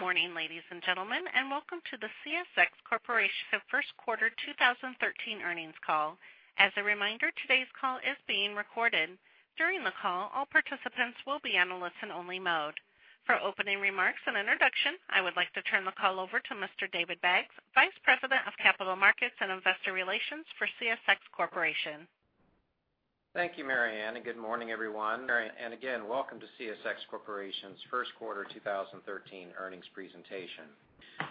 Good morning, ladies and gentlemen, and welcome to the CSX Corporation's first quarter 2013 earnings call. As a reminder, today's call is being recorded. During the call, all participants will be in a listen-only mode. For opening remarks and introduction, I would like to turn the call over to Mr. David Baggs, Vice President of Capital Markets and Investor Relations for CSX Corporation. Thank you, Mary Ann, and good morning, everyone. Mary Ann, again, welcome to CSX Corporation's first quarter 2013 earnings presentation.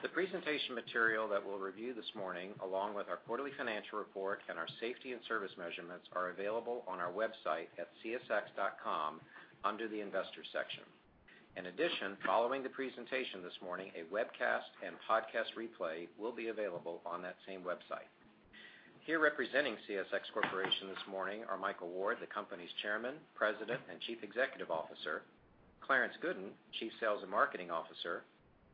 The presentation material that we'll review this morning, along with our quarterly financial report and our safety and service measurements, are available on our website at csx.com under the Investors section. In addition, following the presentation this morning, a webcast and podcast replay will be available on that same website. Here representing CSX Corporation this morning are Michael Ward, the company's Chairman, President, and Chief Executive Officer; Clarence Gooden, Chief Sales and Marketing Officer;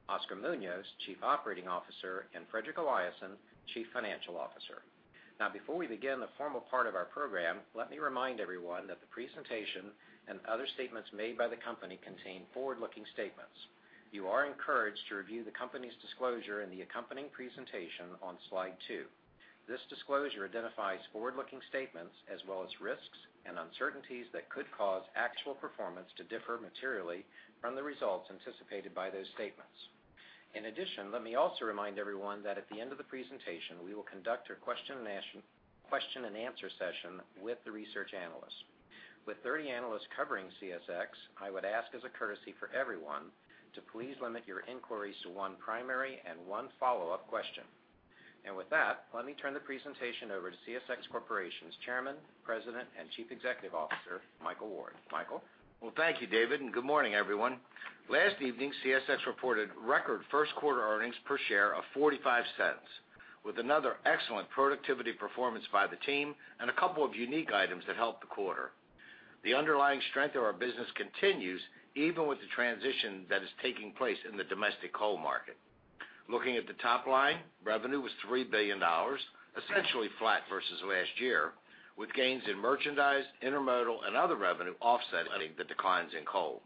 Oscar Munoz, Chief Operating Officer; and Fredrik Eliasson, Chief Financial Officer. Now, before we begin the formal part of our program, let me remind everyone that the presentation and other statements made by the company contain forward-looking statements. You are encouraged to review the company's disclosure in the accompanying presentation on slide 2. This disclosure identifies forward-looking statements as well as risks and uncertainties that could cause actual performance to differ materially from the results anticipated by those statements. In addition, let me also remind everyone that at the end of the presentation, we will conduct a question-and-answer session with the research analysts. With 30 analysts covering CSX, I would ask, as a courtesy for everyone, to please limit your inquiries to one primary and one follow-up question. With that, let me turn the presentation over to CSX Corporation's Chairman, President, and Chief Executive Officer, Michael Ward. Michael? Well, thank you, David, and good morning, everyone. Last evening, CSX reported record first quarter earnings per share of $0.45, with another excellent productivity performance by the team and a couple of unique items that helped the quarter. The underlying strength of our business continues even with the transition that is taking place in the domestic coal market. Looking at the top line, revenue was $3 billion, essentially flat versus last year, with gains in merchandise, intermodal, and other revenue offsetting the declines in coal.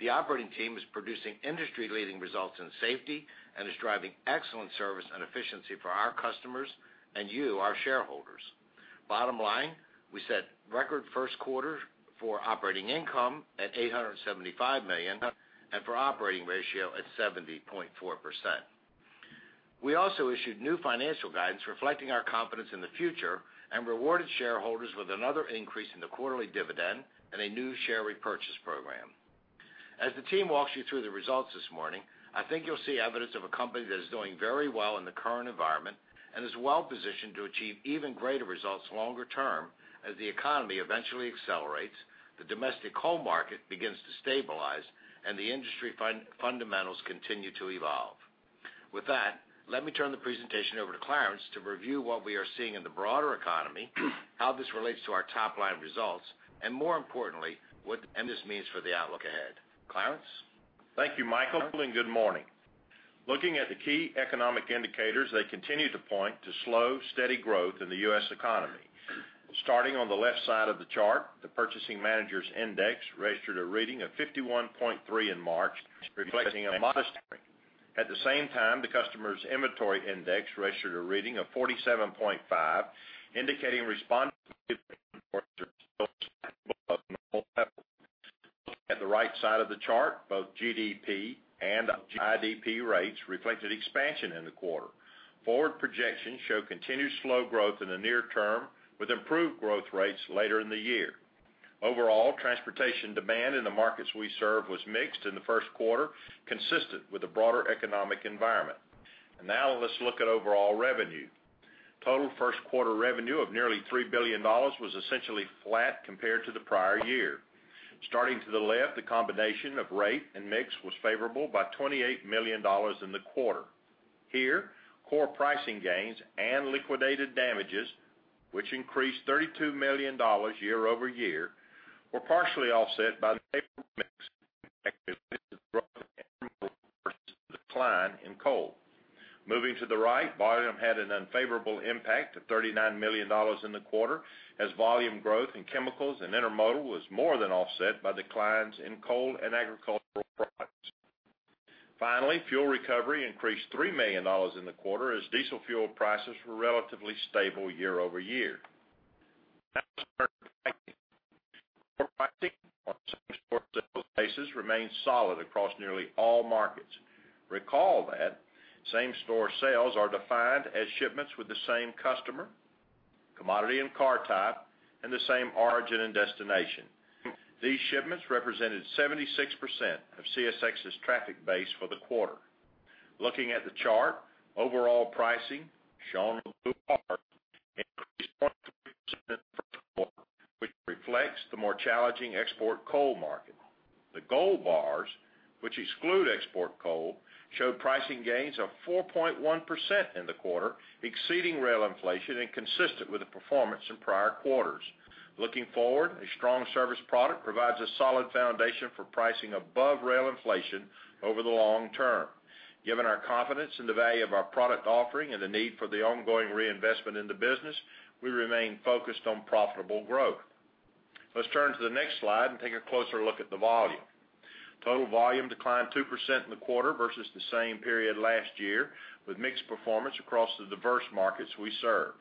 The operating team is producing industry-leading results in safety and is driving excellent service and efficiency for our customers and you, our shareholders. Bottom line, we set record first quarter for operating income at $875 million and for operating ratio at 70.4%. We also issued new financial guidance reflecting our confidence in the future and rewarded shareholders with another increase in the quarterly dividend and a new share repurchase program. As the team walks you through the results this morning, I think you'll see evidence of a company that is doing very well in the current environment and is well-positioned to achieve even greater results longer term as the economy eventually accelerates, the domestic coal market begins to stabilize, and the industry fundamentals continue to evolve. With that, let me turn the presentation over to Clarence to review what we are seeing in the broader economy, how this relates to our top-line results, and more importantly, what this means for the outlook ahead. Clarence? Thank you, Michael, and good morning. Looking at the key economic indicators, they continue to point to slow, steady growth in the U.S. economy. Starting on the left side of the chart, the Purchasing Managers Index registered a reading of 51.3 in March, reflecting a modest decline. At the same time, the Customers Inventory Index registered a reading of 47.5, indicating responses to inventories are still stable above normal levels. Looking at the right side of the chart, both GDP and IP rates reflected expansion in the quarter. Forward projections show continued slow growth in the near term with improved growth rates later in the year. Overall, transportation demand in the markets we serve was mixed in the first quarter, consistent with the broader economic environment. Now let's look at overall revenue. Total first quarter revenue of nearly $3 billion was essentially flat compared to the prior year. Starting to the left, the combination of rate and mix was favorable by $28 million in the quarter. Here, core pricing gains and liquidated damages, which increased $32 million year-over-year, were partially offset by the favorable mix compared to the decline. Moving to the right, volume had an unfavorable impact of $39 million in the quarter as volume growth in chemicals and intermodal was more than offset by declines in coal and agricultural products. Finally, fuel recovery increased $3 million in the quarter as diesel fuel prices were relatively stable year-over-year. Now let's turn to pricing. Core pricing on same-store sales basis remains solid across nearly all markets. Recall that same-store sales are defined as shipments with the same customer, commodity and car type, and the same origin and destination. These shipments represented 76% of CSX's traffic base for the quarter. Looking at the chart, overall pricing, shown in blue bars, increased 0.3% in the first quarter, which reflects the more challenging export coal market. The gold bars, which exclude export coal, showed pricing gains of 4.1% in the quarter, exceeding rail inflation and consistent with the performance in prior quarters. Looking forward, a strong service product provides a solid foundation for pricing above rail inflation over the long term. Given our confidence in the value of our product offering and the need for the ongoing reinvestment in the business, we remain focused on profitable growth. Let's turn to the next slide and take a closer look at the volume. Total volume declined 2% in the quarter versus the same period last year, with mixed performance across the diverse markets we serve.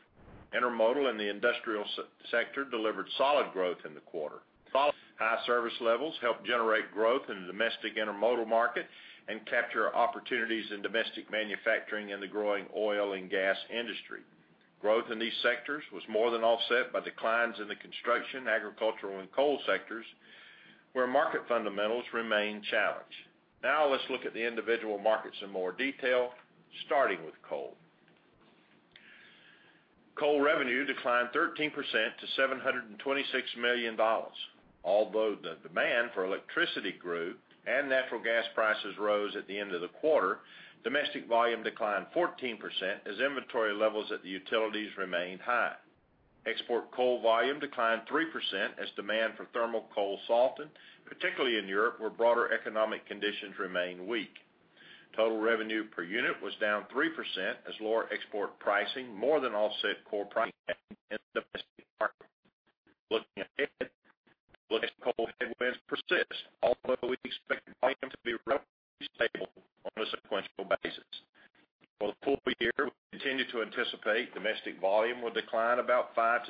Intermodal and the industrial sector delivered solid growth in the quarter. High service levels helped generate growth in the domestic intermodal market and capture opportunities in domestic manufacturing and the growing oil and gas industry. Growth in these sectors was more than offset by declines in the construction, agricultural, and coal sectors, where market fundamentals remain challenged. Now let's look at the individual markets in more detail, starting with coal. Coal revenue declined 13% to $726 million. Although the demand for electricity grew and natural gas prices rose at the end of the quarter, domestic volume declined 14% as inventory levels at the utilities remained high. Export coal volume declined 3% as demand for thermal coal softened, particularly in Europe where broader economic conditions remain weak. Total revenue per unit was down 3% as lower export pricing more than offset core pricing in the domestic market. Looking ahead, domestic coal headwinds persist, although we expect volume to be relatively stable on a sequential basis. For the full year, we continue to anticipate domestic volume will decline about 5%-10%.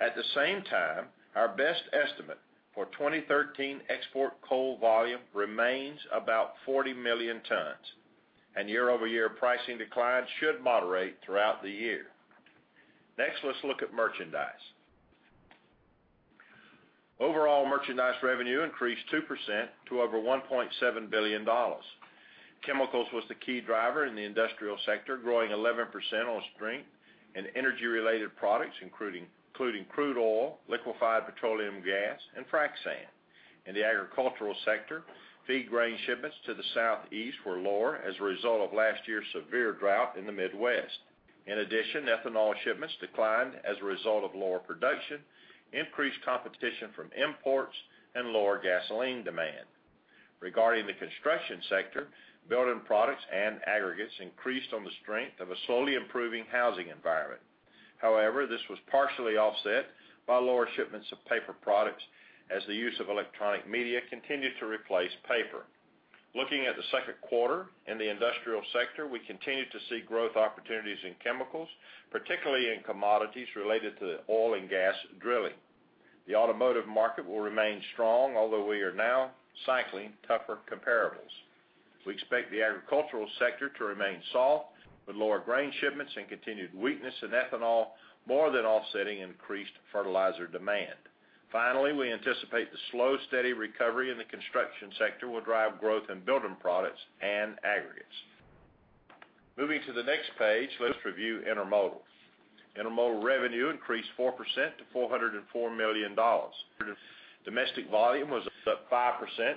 At the same time, our best estimate for 2013 export coal volume remains about 40 million tons, and year-over-year pricing declines should moderate throughout the year. Next, let's look at merchandise. Overall merchandise revenue increased 2% to over $1.7 billion. Chemicals was the key driver in the industrial sector, growing 11% on strength, and energy-related products, including crude oil, liquefied petroleum gas, and frac sand. In the agricultural sector, feed grain shipments to the Southeast were lower as a result of last year's severe drought in the Midwest. In addition, ethanol shipments declined as a result of lower production, increased competition from imports, and lower gasoline demand. Regarding the construction sector, building products and aggregates increased on the strength of a slowly improving housing environment. However, this was partially offset by lower shipments of paper products as the use of electronic media continued to replace paper. Looking at the second quarter, in the industrial sector, we continue to see growth opportunities in chemicals, particularly in commodities related to oil and gas drilling. The automotive market will remain strong, although we are now cycling tougher comparables. We expect the agricultural sector to remain soft with lower grain shipments and continued weakness in ethanol, more than offsetting increased fertilizer demand. Finally, we anticipate the slow, steady recovery in the construction sector will drive growth in building products and aggregates. Moving to the next page, let's review intermodal. Intermodal revenue increased 4% to $404 million. Domestic volume was up 5%,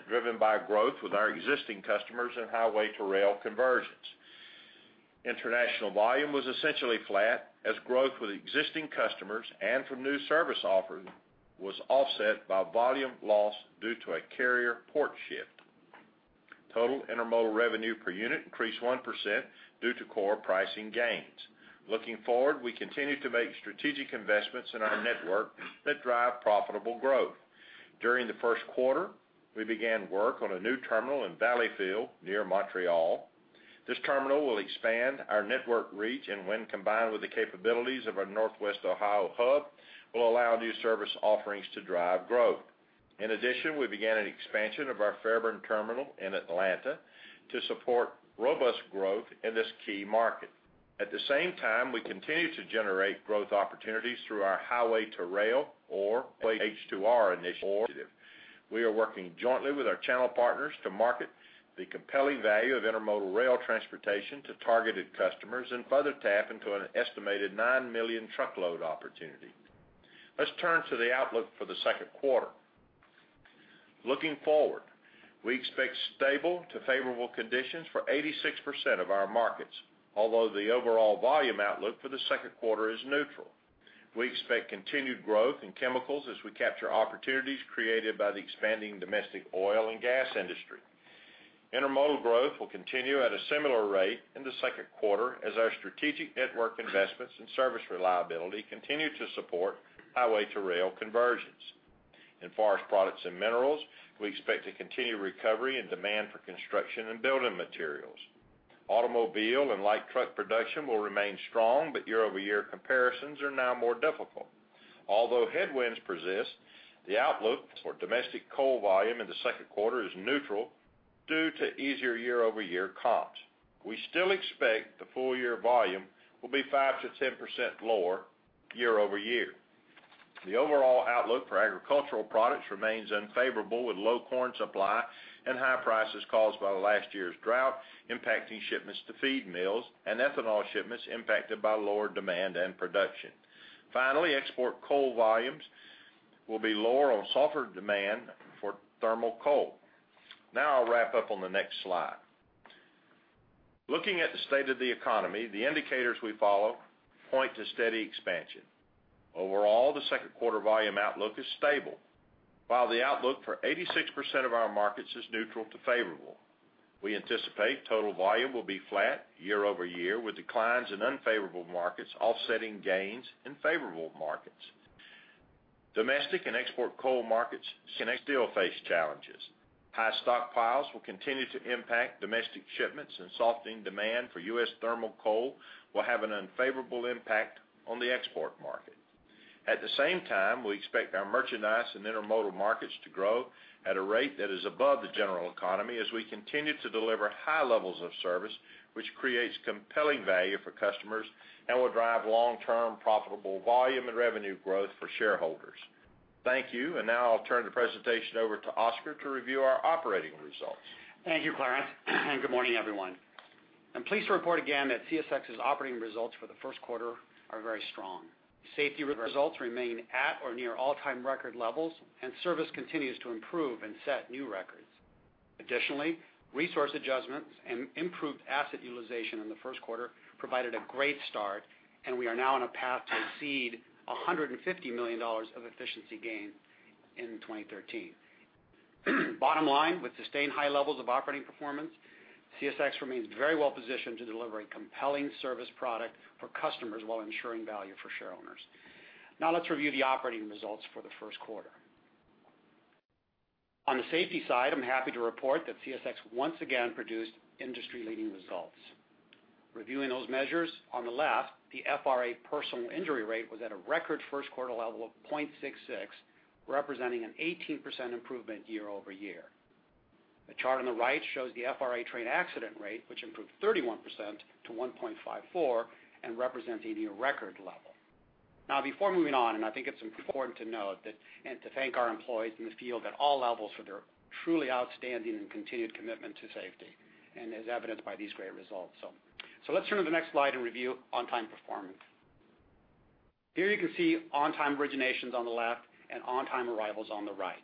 driven by growth with our existing customers and Highway-to-Rail conversions. International volume was essentially flat as growth with existing customers and from new service offers was offset by volume loss due to a carrier port shift. Total intermodal revenue per unit increased 1% due to core pricing gains. Looking forward, we continue to make strategic investments in our network that drive profitable growth. During the first quarter, we began work on a new terminal in Valleyfield near Montreal. This terminal will expand our network reach, and when combined with the capabilities of our Northwest Ohio hub, will allow new service offerings to drive growth. In addition, we began an expansion of our Fairburn terminal in Atlanta to support robust growth in this key market. At the same time, we continue to generate growth opportunities through our highway-to-rail or H2R initiative. We are working jointly with our channel partners to market the compelling value of intermodal rail transportation to targeted customers and further tap into an estimated 9 million truckload opportunity. Let's turn to the outlook for the second quarter. Looking forward, we expect stable to favorable conditions for 86% of our markets, although the overall volume outlook for the second quarter is neutral. We expect continued growth in chemicals as we capture opportunities created by the expanding domestic oil and gas industry. Intermodal growth will continue at a similar rate in the second quarter as our strategic network investments and service reliability continue to support Highway-to-Rail conversions. In forest products and minerals, we expect to continue recovery in demand for construction and building materials. Automobile and light truck production will remain strong, but year-over-year comparisons are now more difficult. Although headwinds persist, the outlook for domestic coal volume in the second quarter is neutral due to easier year-over-year comps. We still expect the full-year volume will be 5%-10% lower year-over-year. The overall outlook for agricultural products remains unfavorable, with low corn supply and high prices caused by last year's drought impacting shipments to feed mills and ethanol shipments impacted by lower demand and production. Finally, export coal volumes will be lower on softer demand for thermal coal. Now I'll wrap up on the next slide. Looking at the state of the economy, the indicators we follow point to steady expansion. Overall, the second quarter volume outlook is stable, while the outlook for 86% of our markets is neutral to favorable. We anticipate total volume will be flat year-over-year, with declines in unfavorable markets offsetting gains in favorable markets. Domestic and export coal markets can still face challenges. High stockpiles will continue to impact domestic shipments, and softening demand for U.S. thermal coal will have an unfavorable impact on the export market. At the same time, we expect our merchandise and intermodal markets to grow at a rate that is above the general economy as we continue to deliver high levels of service, which creates compelling value for customers and will drive long-term profitable volume and revenue growth for shareholders. Thank you. Now I'll turn the presentation over to Oscar to review our operating results. Thank you, Clarence, and good morning, everyone. I'm pleased to report again that CSX's operating results for the first quarter are very strong. Safety results remain at or near all-time record levels, and service continues to improve and set new records. Additionally, resource adjustments and improved asset utilization in the first quarter provided a great start, and we are now on a path to exceed $150 million of efficiency gain in 2013. Bottom line, with sustained high levels of operating performance, CSX remains very well-positioned to deliver a compelling service product for customers while ensuring value for shareholders. Now let's review the operating results for the first quarter. On the safety side, I'm happy to report that CSX once again produced industry-leading results. Reviewing those measures, on the left, the FRA personal injury rate was at a record first-quarter level of 0.66, representing an 18% improvement year-over-year. The chart on the right shows the FRA train accident rate, which improved 31% to 1.54 and represents a new record level. Now, before moving on, I think it's important to note and to thank our employees in the field at all levels for their truly outstanding and continued commitment to safety, and as evidenced by these great results. So let's turn to the next slide and review on-time performance. Here you can see on-time originations on the left and on-time arrivals on the right.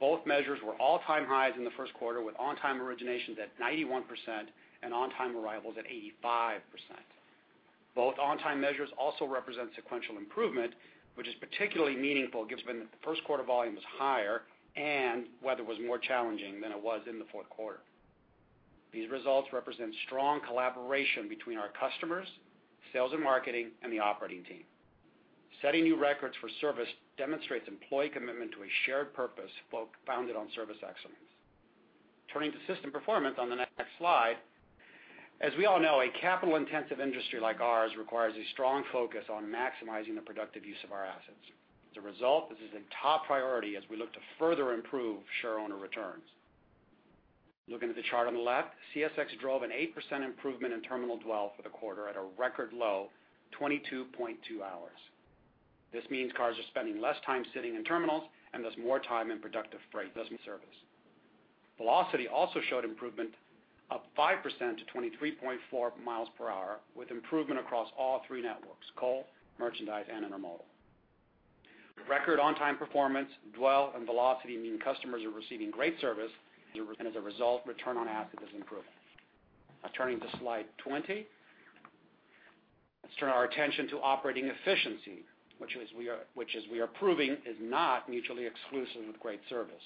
Both measures were all-time highs in the first quarter, with on-time originations at 91% and on-time arrivals at 85%. Both on-time measures also represent sequential improvement, which is particularly meaningful given that the first quarter volume was higher and weather was more challenging than it was in the fourth quarter. These results represent strong collaboration between our customers, sales and marketing, and the operating team. Setting new records for service demonstrates employee commitment to a shared purpose founded on service excellence. Turning to system performance on the next slide. As we all know, a capital-intensive industry like ours requires a strong focus on maximizing the productive use of our assets. As a result, this is a top priority as we look to further improve shareholder returns. Looking at the chart on the left, CSX drove an 8% improvement in terminal dwell for the quarter at a record low of 22.2 hours. This means cars are spending less time sitting in terminals and thus more time in productive freight, thus more service. Velocity also showed improvement up 5% to 23.4 mi per hour, with improvement across all three networks: coal, merchandise, and intermodal. Record on-time performance, dwell, and velocity mean customers are receiving great service, and as a result, return on asset is improving. Now turning to slide 20. Let's turn our attention to operating efficiency, which as we are proving is not mutually exclusive with great service.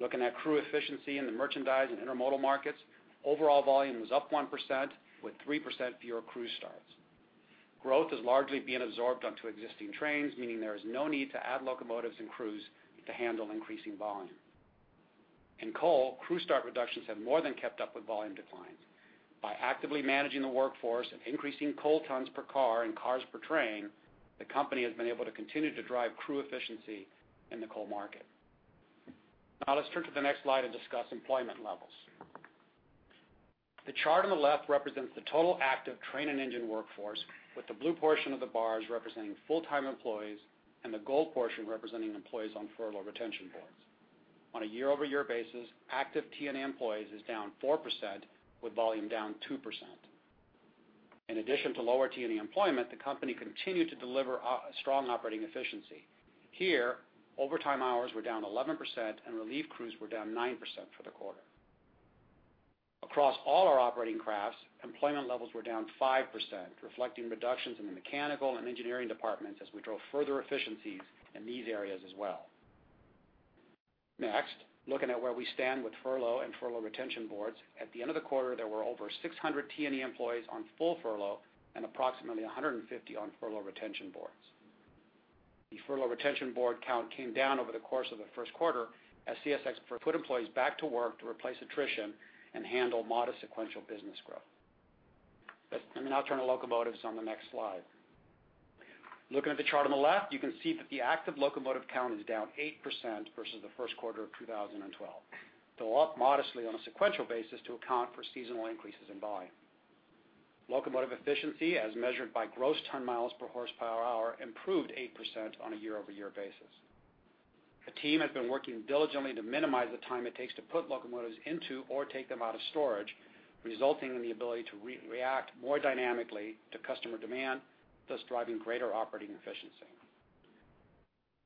Looking at crew efficiency in the merchandise and intermodal markets, overall volume was up 1% with 3% fewer crew starts. Growth is largely being absorbed onto existing trains, meaning there is no need to add locomotives and crews to handle increasing volume. In coal, crew start reductions have more than kept up with volume declines. By actively managing the workforce and increasing coal tons per car and cars per train, the company has been able to continue to drive crew efficiency in the coal market. Now let's turn to the next slide and discuss employment levels. The chart on the left represents the total active train and engine workforce, with the blue portion of the bars representing full-time employees and the gold portion representing employees on furlough retention boards. On a year-over-year basis, active T&E employees is down 4%, with volume down 2%. In addition to lower T&E employment, the company continued to deliver strong operating efficiency. Here, overtime hours were down 11%, and relief crews were down 9% for the quarter. Across all our operating crafts, employment levels were down 5%, reflecting reductions in the mechanical and engineering departments as we drove further efficiencies in these areas as well. Next, looking at where we stand with furlough and furlough retention boards, at the end of the quarter, there were over 600 T&E employees on full furlough and approximately 150 on furlough retention boards. The furlough retention board count came down over the course of the first quarter as CSX put employees back to work to replace attrition and handle modest sequential business growth. I mean, I'll turn to locomotives on the next slide. Looking at the chart on the left, you can see that the active locomotive count is down 8% versus the first quarter of 2012. Though up modestly on a sequential basis to account for seasonal increases in volume. Locomotive efficiency, as measured by gross ton miles per horsepower hour, improved 8% on a year-over-year basis. The team has been working diligently to minimize the time it takes to put locomotives into or take them out of storage, resulting in the ability to react more dynamically to customer demand, thus driving greater operating efficiency.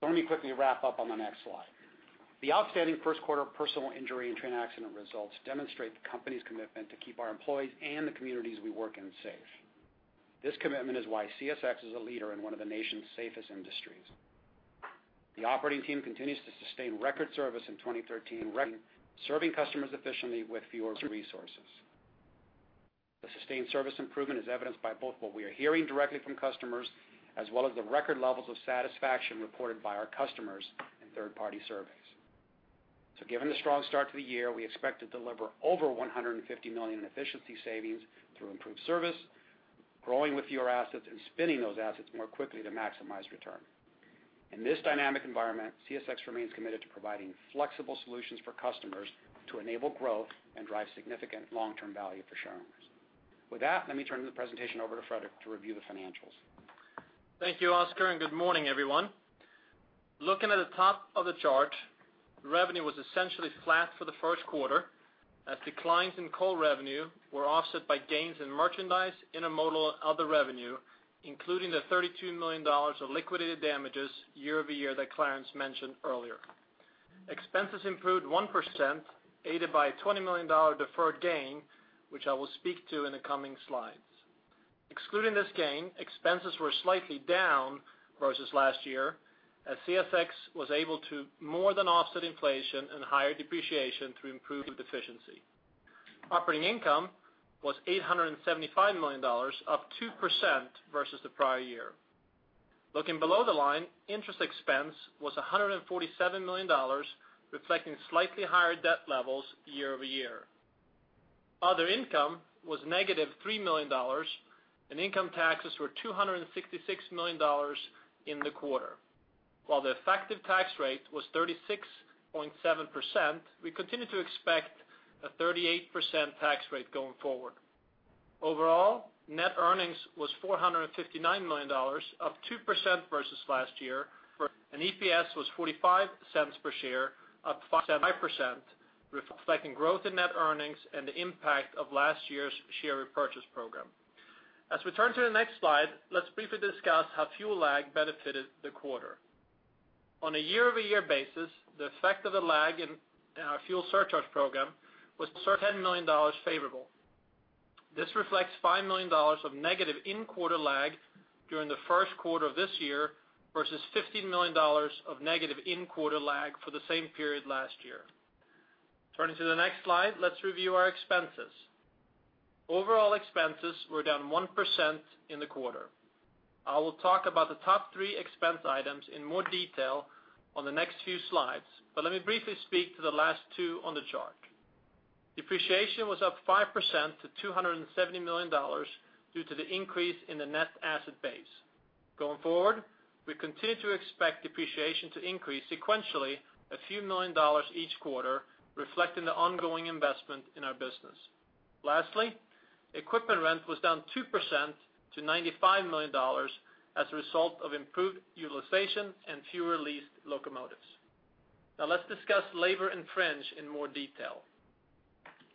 So let me quickly wrap up on the next slide. The outstanding first-quarter personal injury and train accident results demonstrate the company's commitment to keep our employees and the communities we work in safe. This commitment is why CSX is a leader in one of the nation's safest industries. The operating team continues to sustain record service in 2013, serving customers efficiently with fewer resources. The sustained service improvement is evidenced by both what we are hearing directly from customers as well as the record levels of satisfaction reported by our customers in third-party surveys. So given the strong start to the year, we expect to deliver over $150 million in efficiency savings through improved service, growing with fewer assets, and spinning those assets more quickly to maximize return. In this dynamic environment, CSX remains committed to providing flexible solutions for customers to enable growth and drive significant long-term value for shareholders. With that, let me turn the presentation over to Fredrik to review the financials. Thank you, Oscar, and good morning, everyone. Looking at the top of the chart, revenue was essentially flat for the first quarter as declines in coal revenue were offset by gains in merchandise, intermodal, and other revenue, including the $32 million of liquidated damages year-over-year that Clarence mentioned earlier. Expenses improved 1%, aided by a $20 million deferred gain, which I will speak to in the coming slides. Excluding this gain, expenses were slightly down versus last year as CSX was able to more than offset inflation and higher depreciation through improved efficiency. Operating income was $875 million, up 2% versus the prior year. Looking below the line, interest expense was $147 million, reflecting slightly higher debt levels year-over-year. Other income was negative $3 million, and income taxes were $266 million in the quarter. While the effective tax rate was 36.7%, we continue to expect a 38% tax rate going forward. Overall, net earnings was $459 million, up 2% versus last year, and EPS was $0.45 per share, up 5%, reflecting growth in net earnings and the impact of last year's share repurchase program. As we turn to the next slide, let's briefly discuss how fuel lag benefited the quarter. On a year-over-year basis, the effect of the lag in our fuel surcharge program was $10 million favorable. This reflects $5 million of negative in-quarter lag during the first quarter of this year versus $15 million of negative in-quarter lag for the same period last year. Turning to the next slide, let's review our expenses. Overall expenses were down 1% in the quarter. I will talk about the top three expense items in more detail on the next few slides, but let me briefly speak to the last two on the chart. Depreciation was up 5% to $270 million due to the increase in the net asset base. Going forward, we continue to expect depreciation to increase sequentially a few million dollars each quarter, reflecting the ongoing investment in our business. Lastly, equipment rent was down 2% to $95 million as a result of improved utilization and fewer leased locomotives. Now let's discuss labor and fringe in more detail.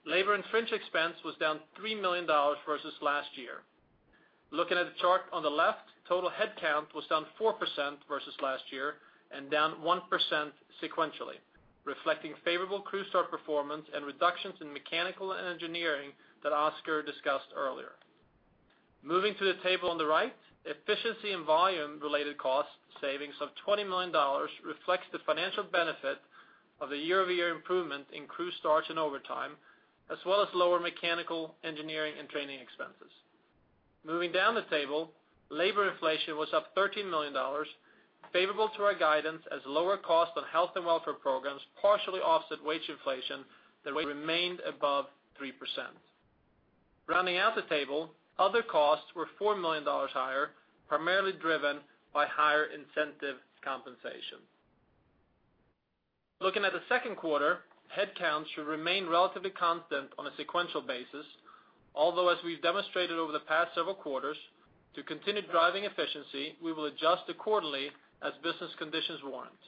Labor and fringe expense was down $3 million versus last year. Looking at the chart on the left, total headcount was down 4% versus last year and down 1% sequentially, reflecting favorable crew start performance and reductions in mechanical and engineering that Oscar discussed earlier. Moving to the table on the right, efficiency and volume-related cost savings of $20 million reflect the financial benefit of the year-over-year improvement in crew starts and overtime, as well as lower mechanical, engineering, and training expenses. Moving down the table, labor inflation was up $13 million, favorable to our guidance as lower costs on health and welfare programs partially offset wage inflation that remained above 3%. Rounding out the table, other costs were $4 million higher, primarily driven by higher incentive compensation. Looking at the second quarter, headcount should remain relatively constant on a sequential basis, although as we've demonstrated over the past several quarters, to continue driving efficiency, we will adjust accordingly as business conditions warrant.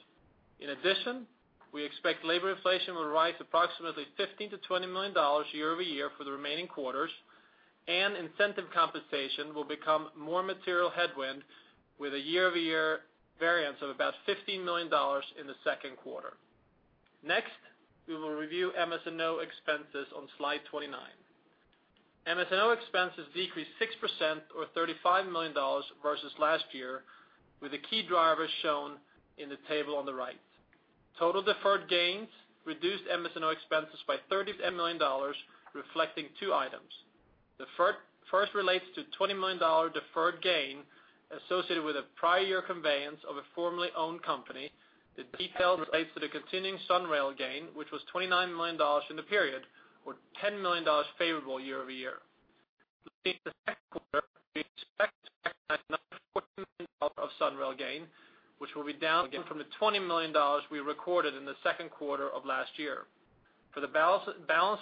In addition, we expect labor inflation will rise approximately $15-$20 million year-over-year for the remaining quarters, and incentive compensation will become more material headwind with a year-over-year variance of about $15 million in the second quarter. Next, we will review MS&O expenses on slide 29. MS&O expenses decreased 6%, or $35 million, versus last year, with the key drivers shown in the table on the right. Total deferred gains reduced MS&O expenses by $37 million, reflecting two items. The first relates to $20 million deferred gain associated with a prior year conveyance of a formerly owned company. The second relates to the continuing SunRail gain, which was $29 million in the period, or $10 million favorable year-over-year. Looking at the second quarter, we expect to recognize another $14 million of SunRail gain, which will be down again from the $20 million we recorded in the second quarter of last year. For the balance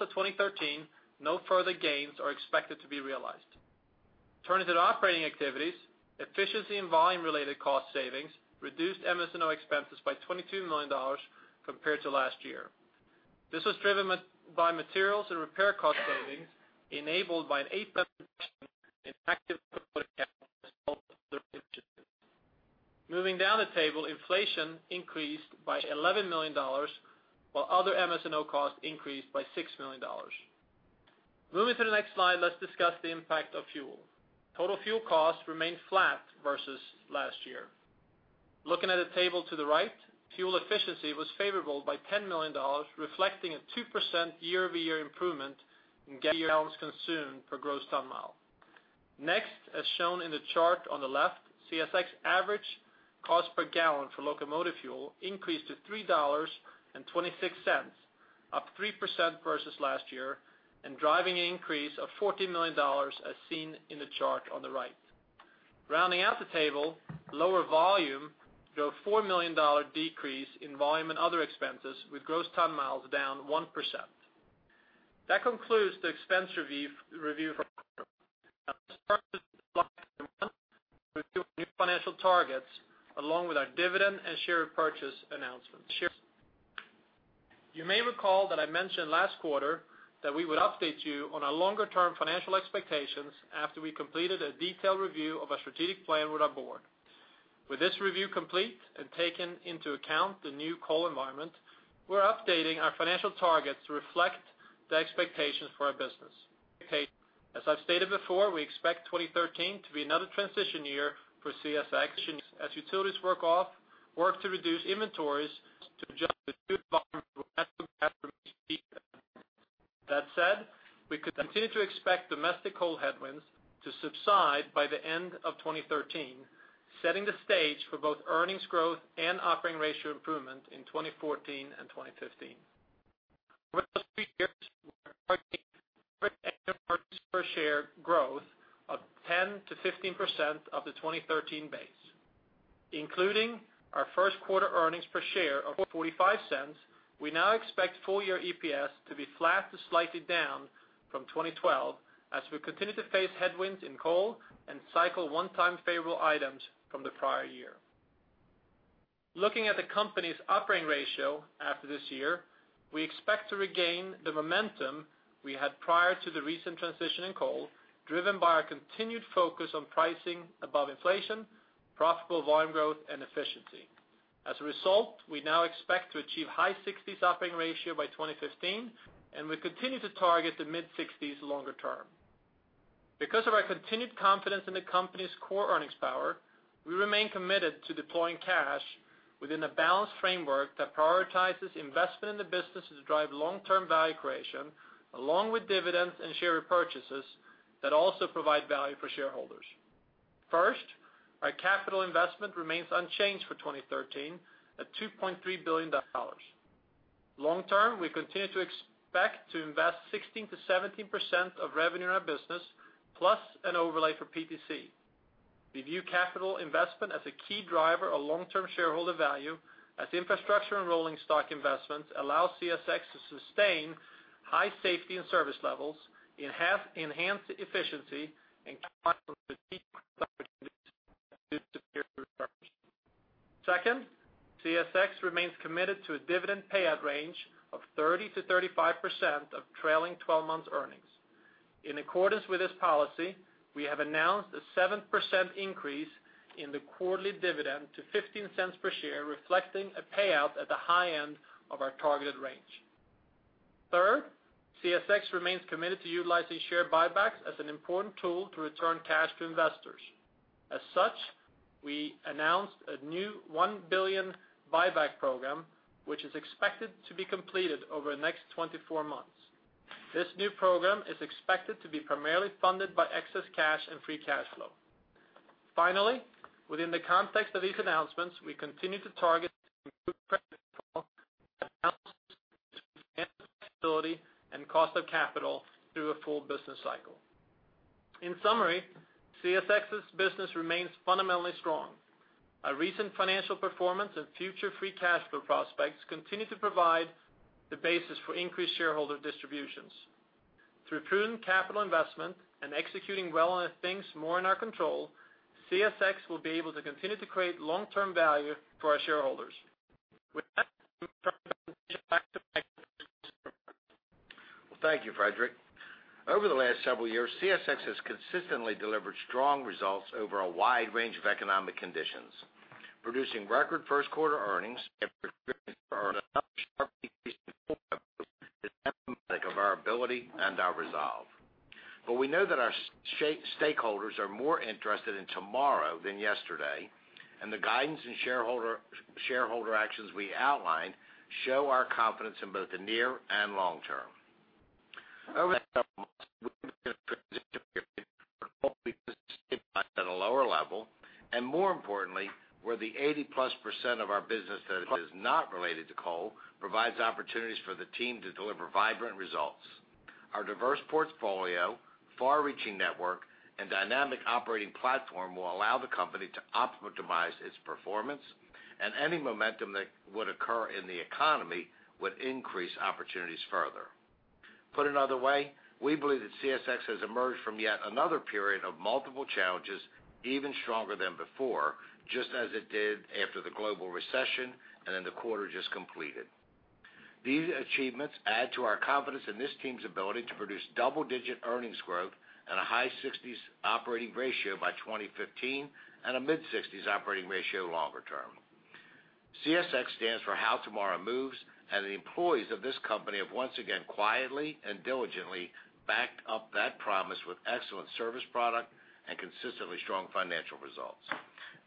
of 2013, no further gains are expected to be realized. Turning to the operating activities, efficiency and volume-related cost savings reduced MS&O expenses by $22 million compared to last year. This was driven by materials and repair cost savings enabled by an 8% reduction in active equipment count as well as other initiatives. Moving down the table, inflation increased by $11 million, while other MS&O costs increased by $6 million. Moving to the next slide, let's discuss the impact of fuel. Total fuel costs remained flat versus last year. Looking at the table to the right, fuel efficiency was favorable by $10 million, reflecting a 2% year-over-year improvement in gallons consumed per gross ton mile. Next, as shown in the chart on the left, CSX average cost per gallon for locomotive fuel increased to $3.26, up 3% versus last year, and driving an increase of $40 million as seen in the chart on the right. Rounding out the table, lower volume drove a $4 million decrease in volume and other expenses, with gross ton miles down 1%. That concludes the expense review for this quarter. Now let's turn to slide 21 to review our new financial targets along with our dividend and share repurchase announcements. You may recall that I mentioned last quarter that we would update you on our longer-term financial expectations after we completed a detailed review of our strategic plan with our board. With this review complete and taking into account the new coal environment, we're updating our financial targets to reflect the expectations for our business. As I've stated before, we expect 2013 to be another transition year for CSX as utilities work to reduce inventories to adjust to the new environment where natural gas remains cheap and important. That said, we could continue to expect domestic coal headwinds to subside by the end of 2013, setting the stage for both earnings growth and operating ratio improvement in 2014 and 2015. Over those three years, we're targeting average annual earnings per share growth of 10%-15% of the 2013 base. Including our first quarter earnings per share of $0.45, we now expect full-year EPS to be flat to slightly down from 2012 as we continue to face headwinds in coal and cycle one-time favorable items from the prior year. Looking at the company's operating ratio after this year, we expect to regain the momentum we had prior to the recent transition in coal, driven by our continued focus on pricing above inflation, profitable volume growth, and efficiency. As a result, we now expect to achieve high-60s operating ratio by 2015, and we continue to target the mid-60s longer term. Because of our continued confidence in the company's core earnings power, we remain committed to deploying cash within a balanced framework that prioritizes investment in the business to drive long-term value creation, along with dividends and share repurchases that also provide value for shareholders. First, our capital investment remains unchanged for 2013 at $2.3 billion. Long term, we continue to expect to invest 16%-17% of revenue in our business, plus an overlay for PTC. We view capital investment as a key driver of long-term shareholder value, as infrastructure and rolling stock investments allow CSX to sustain high safety and service levels, enhance efficiency, and capitalize on strategic growth opportunities due to superior resources. Second, CSX remains committed to a dividend payout range of 30%-35% of trailing 12 months' earnings. In accordance with this policy, we have announced a 7% increase in the quarterly dividend to $0.15 per share, reflecting a payout at the high end of our targeted range. Third, CSX remains committed to utilizing share buybacks as an important tool to return cash to investors. As such, we announced a new $1 billion buyback program, which is expected to be completed over the next 24 months. This new program is expected to be primarily funded by excess cash and free cash flow. Finally, within the context of these announcements, we continue to target improved credit profilel that allows us to enhance flexibility and cost of capital through a full business cycle. In summary, CSX's business remains fundamentally strong. Our recent financial performance and future free cash flow prospects continue to provide the basis for increased shareholder distributions. Through prudent capital investment and executing well enough things more in our control, CSX will be able to continue to create long-term value for our shareholders. With that, I'll turn the presentation back to Michael. Well, thank you, Fredrik. Over the last several years, CSX has consistently delivered strong results over a wide range of economic conditions. Producing record first-quarter earnings after earning another sharp decrease in coal revenue is emblematic of our ability and our resolve. But we know that our stakeholders are more interested in tomorrow than yesterday, and the guidance and shareholder actions we outlined show our confidence in both the near and long term. Over the next couple of months, we'll be in a transition period where coal business is stabilized at a lower level, and more importantly, where the 80%+ of our business that is not related to coal provides opportunities for the team to deliver vibrant results. Our diverse portfolio, far-reaching network, and dynamic operating platform will allow the company to optimize its performance, and any momentum that would occur in the economy would increase opportunities further. Put another way, we believe that CSX has emerged from yet another period of multiple challenges, even stronger than before, just as it did after the global recession and then the quarter just completed. These achievements add to our confidence in this team's ability to produce double-digit earnings growth and a high 60s operating ratio by 2015 and a mid-60s operating ratio longer term. CSX stands for How Tomorrow Moves, and the employees of this company have once again quietly and diligently backed up that promise with excellent service product and consistently strong financial results.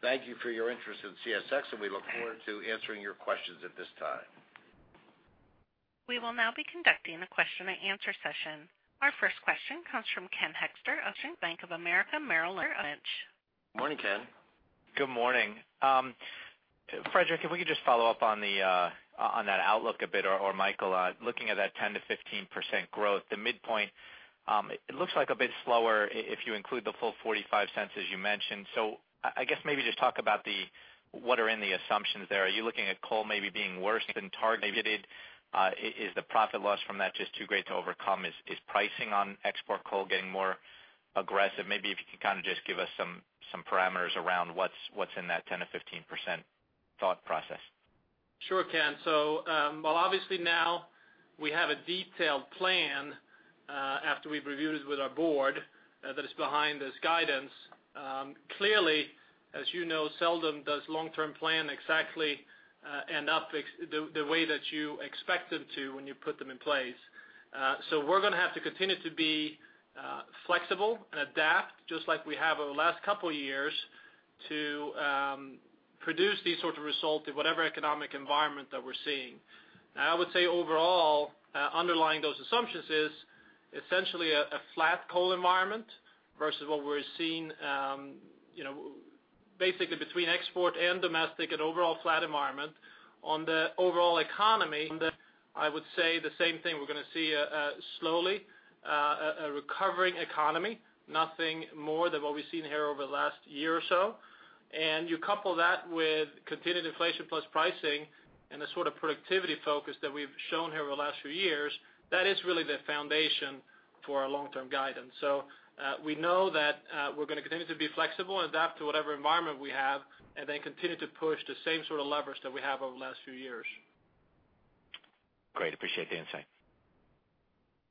Thank you for your interest in CSX, and we look forward to answering your questions at this time. We will now be conducting a question-and-answer session. Our first question comes from Ken Hoexter of Bank of America Merrill Lynch. Good morning, Ken. Good morning. Fredrik, if we could just follow up on that outlook a bit, or Michael, looking at that 10%-15% growth, the midpoint, it looks like a bit slower if you include the full $0.45 as you mentioned. So I guess maybe just talk about what are in the assumptions there. Are you looking at coal maybe being worse than targeted? Is the profit loss from that just too great to overcome? Is pricing on export coal getting more aggressive? Maybe if you can kind of just give us some parameters around what's in that 10%-15% thought process. Sure, Ken. So while obviously now we have a detailed plan after we've reviewed it with our board that is behind this guidance, clearly, as you know, seldom does long-term plan exactly end up the way that you expect them to when you put them in place. So we're going to have to continue to be flexible and adapt, just like we have over the last couple of years, to produce these sorts of results in whatever economic environment that we're seeing. Now, I would say overall, underlying those assumptions is essentially a flat coal environment versus what we're seeing basically between export and domestic, an overall flat environment. On the overall economy, I would say the same thing. We're going to see slowly a recovering economy, nothing more than what we've seen here over the last year or so. You couple that with continued inflation plus pricing and the sort of productivity focus that we've shown here over the last few years, that is really the foundation for our long-term guidance. We know that we're going to continue to be flexible and adapt to whatever environment we have, and then continue to push the same sort of levers that we have over the last few years. Great. Appreciate the insight.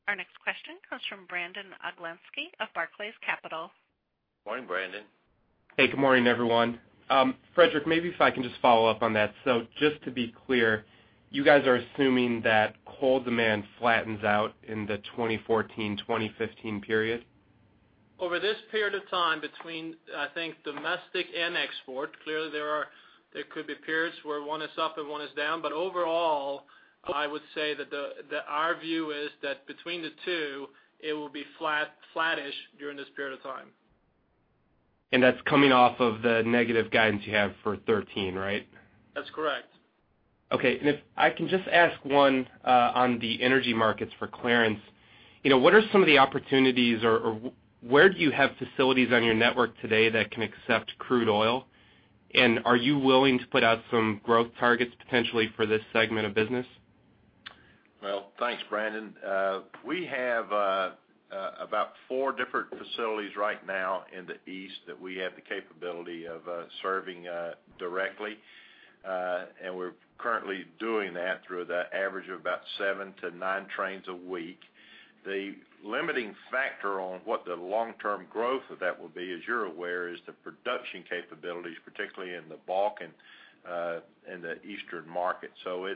Our next question comes from Brandon Oglenski of Barclays Capital. Morning, Brandon. Hey, good morning, everyone. Fredrik, maybe if I can just follow up on that. Just to be clear, you guys are assuming that coal demand flattens out in the 2014-2015 period? Over this period of time between, I think, domestic and export, clearly there could be periods where one is up and one is down. But overall, I would say that our view is that between the two, it will be flattish during this period of time. That's coming off of the negative guidance you have for 2013, right? That's correct. Okay. If I can just ask one on the energy markets for clarity, what are some of the opportunities, or where do you have facilities on your network today that can accept crude oil? And are you willing to put out some growth targets potentially for this segment of business? Well, thanks, Brandon. We have about 4 different facilities right now in the east that we have the capability of serving directly, and we're currently doing that through the average of about 7-9 trains a week. The limiting factor on what the long-term growth of that will be, as you're aware, is the production capabilities, particularly in the Bakken and the eastern markets. So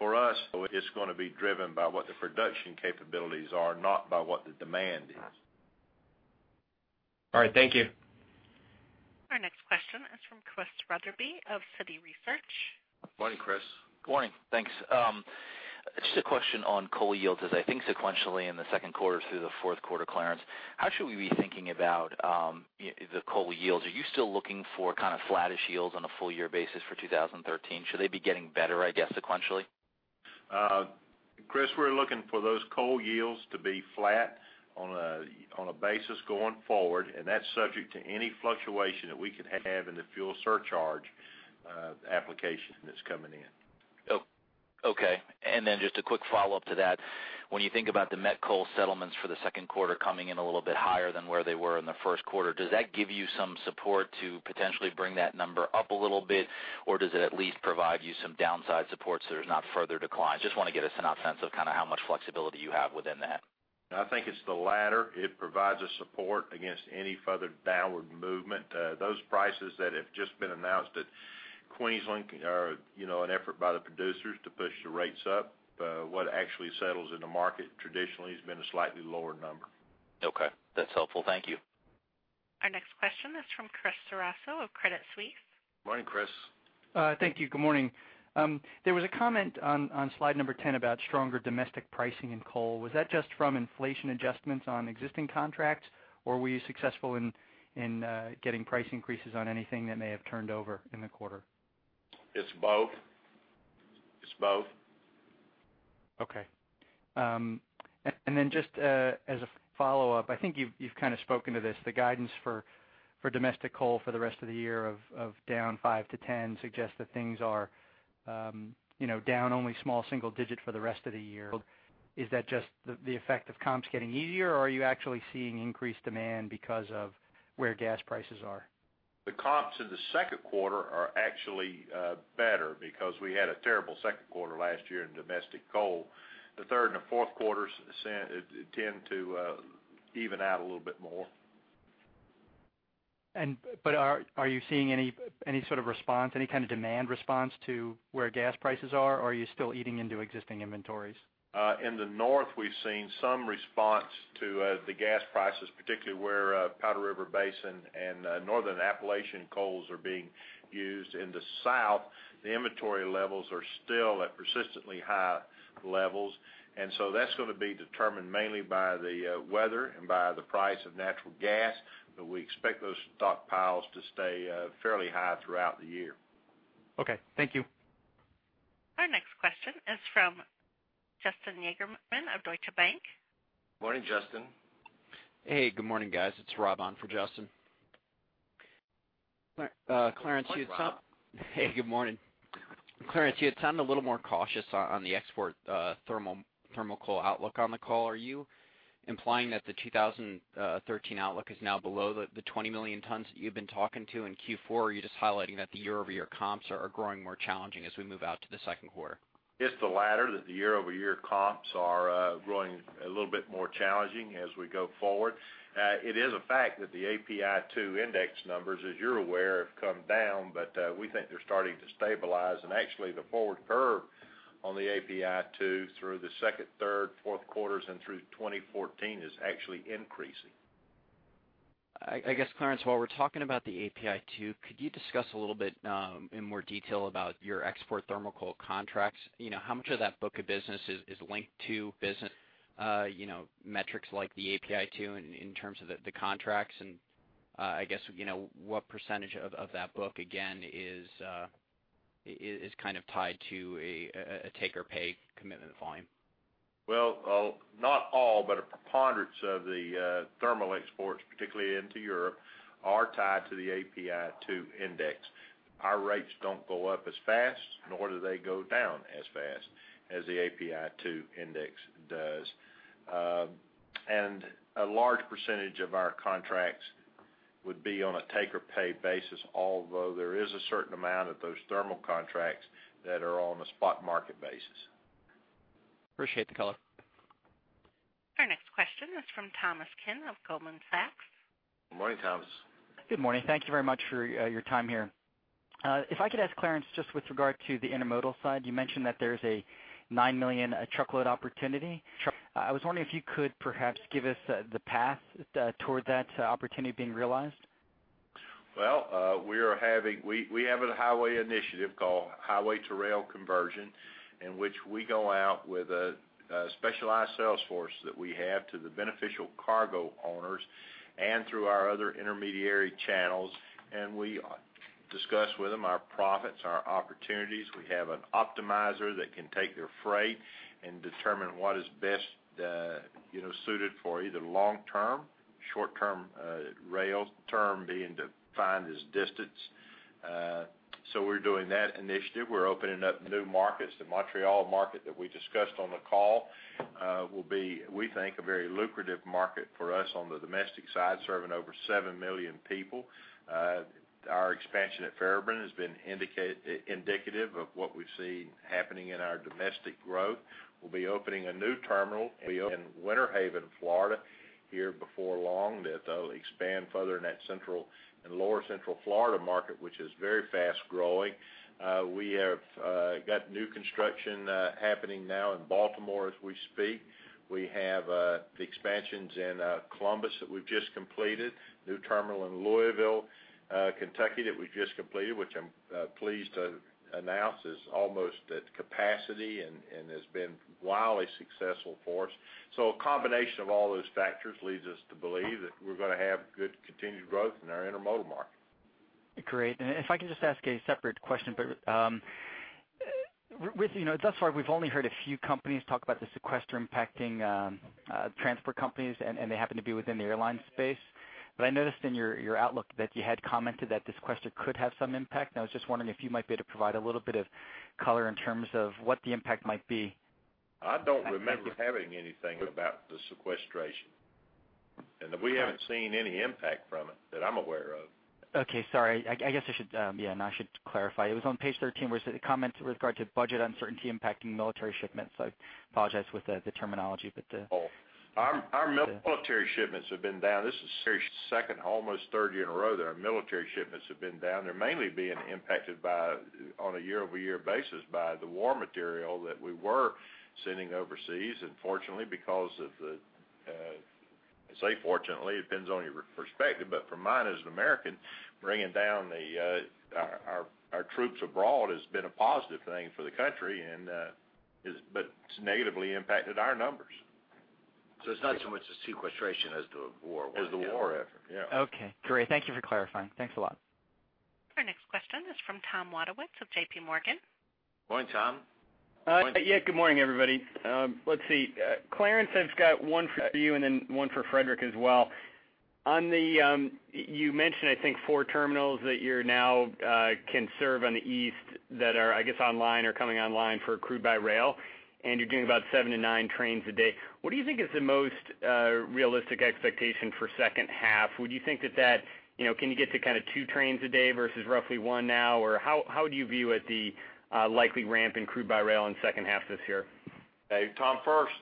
for us, it's going to be driven by what the production capabilities are, not by what the demand is. All right. Thank you. Our next question is from Chris Wetherbee of Citi Research. Morning, Chris. Good morning. Thanks. Just a question on coal yields as I think sequentially in the second quarter through the fourth quarter clearance. How should we be thinking about the coal yields? Are you still looking for kind of flattish yields on a full-year basis for 2013? Should they be getting better, I guess, sequentially? Chris, we're looking for those coal yields to be flat on a basis going forward, and that's subject to any fluctuation that we could have in the fuel surcharge application that's coming in. Okay. And then just a quick follow-up to that. When you think about the met coal settlements for the second quarter coming in a little bit higher than where they were in the first quarter, does that give you some support to potentially bring that number up a little bit, or does it at least provide you some downside support so there's not further declines? Just want to get a sense of kind of how much flexibility you have within that. I think it's the latter. It provides us support against any further downward movement. Those prices that have just been announced at Queensland are an effort by the producers to push the rates up. What actually settles in the market traditionally has been a slightly lower number. Okay. That's helpful. Thank you. Our next question is from Chris Ceraso of Credit Suisse. Morning, Chris. Thank you. Good morning. There was a comment on slide number 10 about stronger domestic pricing in coal. Was that just from inflation adjustments on existing contracts, or were you successful in getting price increases on anything that may have turned over in the quarter? It's both. It's both. Okay. And then just as a follow-up, I think you've kind of spoken to this. The guidance for domestic coal for the rest of the year of down 5%-10% suggests that things are down only small single-digit for the rest of the year. Is that just the effect of comps getting easier, or are you actually seeing increased demand because of where gas prices are? The comps in the second quarter are actually better because we had a terrible second quarter last year in domestic coal. The third and the fourth quarters tend to even out a little bit more. But are you seeing any sort of response, any kind of demand response to where gas prices are, or are you still eating into existing inventories? In the north, we've seen some response to the gas prices, particularly where Powder River Basin and Northern Appalachian coals are being used. In the south, the inventory levels are still at persistently high levels, and so that's going to be determined mainly by the weather and by the price of natural gas, but we expect those stockpiles to stay fairly high throughout the year. Okay. Thank you. Our next question is from Justin Yagerman of Deutsche Bank. Morning, Justin. Hey, good morning, guys. It's Rob on for Justin. Morning Rob? Hey, good morning. Morning Rob? Clarence, you had sounded a little more cautious on the export thermal coal outlook on the call. Are you implying that the 2013 outlook is now below the 20 million tons that you've been talking to in Q4, or are you just highlighting that the year-over-year comps are growing more challenging as we move out to the second quarter? It's the latter, that the year-over-year comps are growing a little bit more challenging as we go forward. It is a fact that the API 2 index numbers, as you're aware, have come down, but we think they're starting to stabilize. And actually, the forward curve on the API 2 through the second, third, fourth quarters, and through 2014 is actually increasing. I guess, Clarence, while we're talking about the API 2, could you discuss a little bit in more detail about your export thermal coal contracts? How much of that book of business is linked to business metrics like the API 2 in terms of the contracts? And I guess what percentage of that book, again, is kind of tied to a take-or-pay commitment volume? Well, not all, but a preponderance of the thermal exports, particularly into Europe, are tied to the API 2 index. Our rates don't go up as fast, nor do they go down as fast as the API 2 index does. And a large percentage of our contracts would be on a take-or-pay basis, although there is a certain amount of those thermal contracts that are on a spot market basis. Appreciate the color. Our next question is from Thomas Kim of Goldman Sachs. Good morning, Thomas. Good morning. Thank you very much for your time here. If I could ask Clarence, just with regard to the intermodal side, you mentioned that there's a 9 million truckload opportunity. I was wondering if you could perhaps give us the path toward that opportunity being realized. Well, we have a highway initiative called Highway to Rail, in which we go out with a specialized sales force that we have to the beneficial cargo owners and through our other intermediary channels, and we discuss with them our profits, our opportunities. We have an optimizer that can take their freight and determine what is best suited for either long-term, short-term rails, term being to find this distance. So we're doing that initiative. We're opening up new markets. The Montreal market that we discussed on the call will be, we think, a very lucrative market for us on the domestic side, serving over 7 million people. Our expansion at Fairburn has been indicative of what we've seen happening in our domestic growth. We'll be opening a new terminal. In Winter Haven, Florida, here before long that they'll expand further in that central and lower central Florida market, which is very fast-growing. We have got new construction happening now in Baltimore as we speak. We have the expansions in Columbus that we've just completed, new terminal in Louisville, Kentucky that we've just completed, which I'm pleased to announce is almost at capacity and has been wildly successful for us. A combination of all those factors leads us to believe that we're going to have good continued growth in our intermodal market. Great. If I can just ask a separate question, but thus far, we've only heard a few companies talk about the sequester impacting transport companies, and they happen to be within the airline space. I noticed in your outlook that you had commented that this question could have some impact. I was just wondering if you might be able to provide a little bit of color in terms of what the impact might be. I don't remember having anything about the sequestration, and we haven't seen any impact from it that I'm aware of. Okay. Sorry. I guess I should yeah, no, I should clarify. It was on page 13 where it said the comments with regard to budget uncertainty impacting military shipments. So I apologize with the terminology, but the. Our military shipments have been down. This is second, almost third year in a row that our military shipments have been down. They're mainly being impacted on a year-over-year basis by the war material that we were sending overseas, unfortunately, because of the-I say fortunately. It depends on your perspective, but for mine as an American, bringing down our troops abroad has been a positive thing for the country, but it's negatively impacted our numbers. So it's not so much the sequestration as the war. As the war effort. Yeah. Okay. Great. Thank you for clarifying. Thanks a lot. Our next question is from Tom Wadewitz of JPMorgan. Morning, Tom. Yeah. Good morning, everybody. Let's see. Clarence, I've got one for you and then one for Fredrik as well. You mentioned, I think, 4 terminals that you now can serve on the east that are, I guess, online or coming online for crude by rail, and you're doing about 7-9 trains a day. What do you think is the most realistic expectation for second half? Would you think that that can you get to kind of 2 trains a day versus roughly 1 now, or how do you view it, the likely ramp in crude by rail in second half this year? Tom first.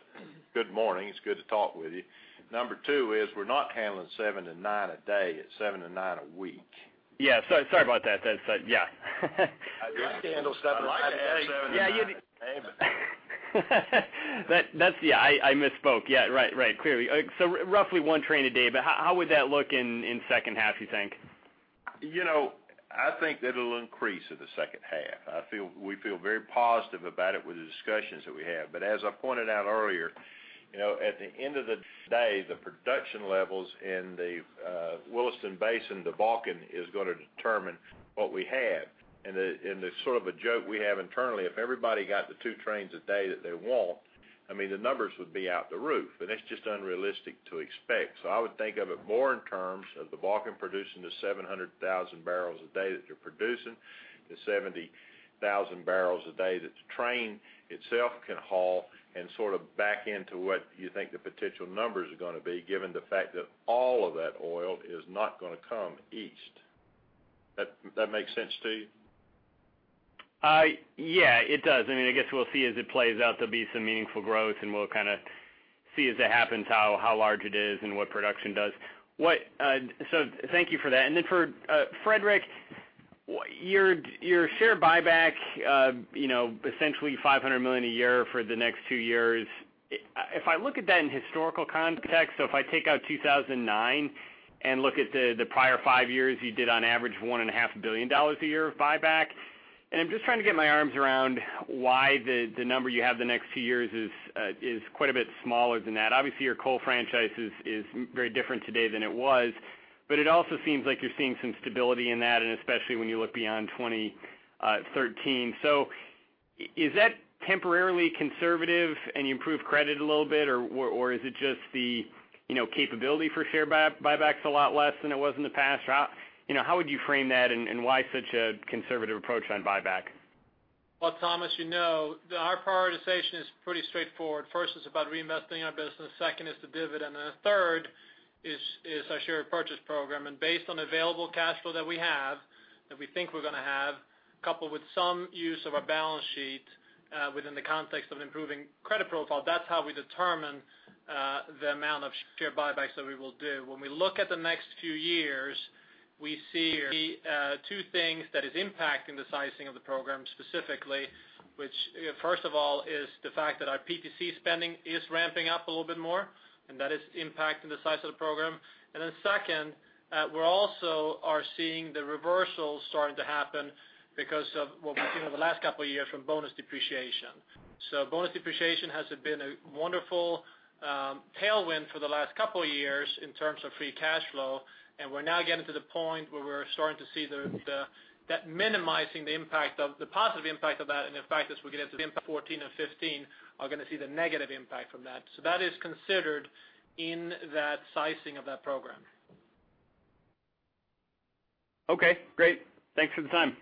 Good morning. It's good to talk with you. Number two is we're not handling 7-9 a day. It's 7-9 a week. Yeah. Sorry about that. Yeah. I'd like to handle 7-9 a day. Yeah. Yeah. I misspoke. Yeah. Right. Right. Clearly. So roughly one train a day. But how would that look in second half, you think? I think that it'll increase in the second half. We feel very positive about it with the discussions that we have. But as I pointed out earlier, at the end of the day, the production levels in the Williston Basin, the Bakken, is going to determine what we have. And it's sort of a joke we have internally. If everybody got the two trains a day that they want, I mean, the numbers would be out the roof, and it's just unrealistic to expect. So I would think of it more in terms of the Bakken producing the 700,000 barrels a day that they're producing, the 70,000 barrels a day that the train itself can haul, and sort of back into what you think the potential numbers are going to be given the fact that all of that oil is not going to come east. That makes sense to you? Yeah, it does. I mean, I guess we'll see as it plays out. There'll be some meaningful growth, and we'll kind of see as it happens how large it is and what production does. So thank you for that. And then for Fredrik, your share buyback, essentially $500 million a year for the next two years. If I look at that in historical context, so if I take out 2009 and look at the prior five years, you did, on average, $1.5 billion a year of buyback. And I'm just trying to get my arms around why the number you have the next two years is quite a bit smaller than that. Obviously, your coal franchise is very different today than it was, but it also seems like you're seeing some stability in that, and especially when you look beyond 2013. So is that temporarily conservative and you improve credit a little bit, or is it just the capability for share buybacks a lot less than it was in the past? How would you frame that, and why such a conservative approach on buyback? Well, Thomas, our prioritization is pretty straightforward. First, it's about reinvesting our business. Second, it's the dividend. And third, it's our share purchase program. And based on available cash flow that we have, that we think we're going to have, coupled with some use of our balance sheet within the context of an improving credit profile, that's how we determine the amount of share buybacks that we will do. When we look at the next few years, we see two things that are impacting the sizing of the program specifically, which, first of all, is the fact that our PTC spending is ramping up a little bit more, and that is impacting the size of the program. And then second, we also are seeing the reversal starting to happen because of what we've seen over the last couple of years from bonus depreciation. So bonus depreciation has been a wonderful tailwind for the last couple of years in terms of free cash flow, and we're now getting to the point where we're starting to see that minimizing the positive impact of that, and in fact, as we get into the impact of 2014 and 2015, we're going to see the negative impact from that. So that is considered in that sizing of that program. Okay. Great. Thanks for the time.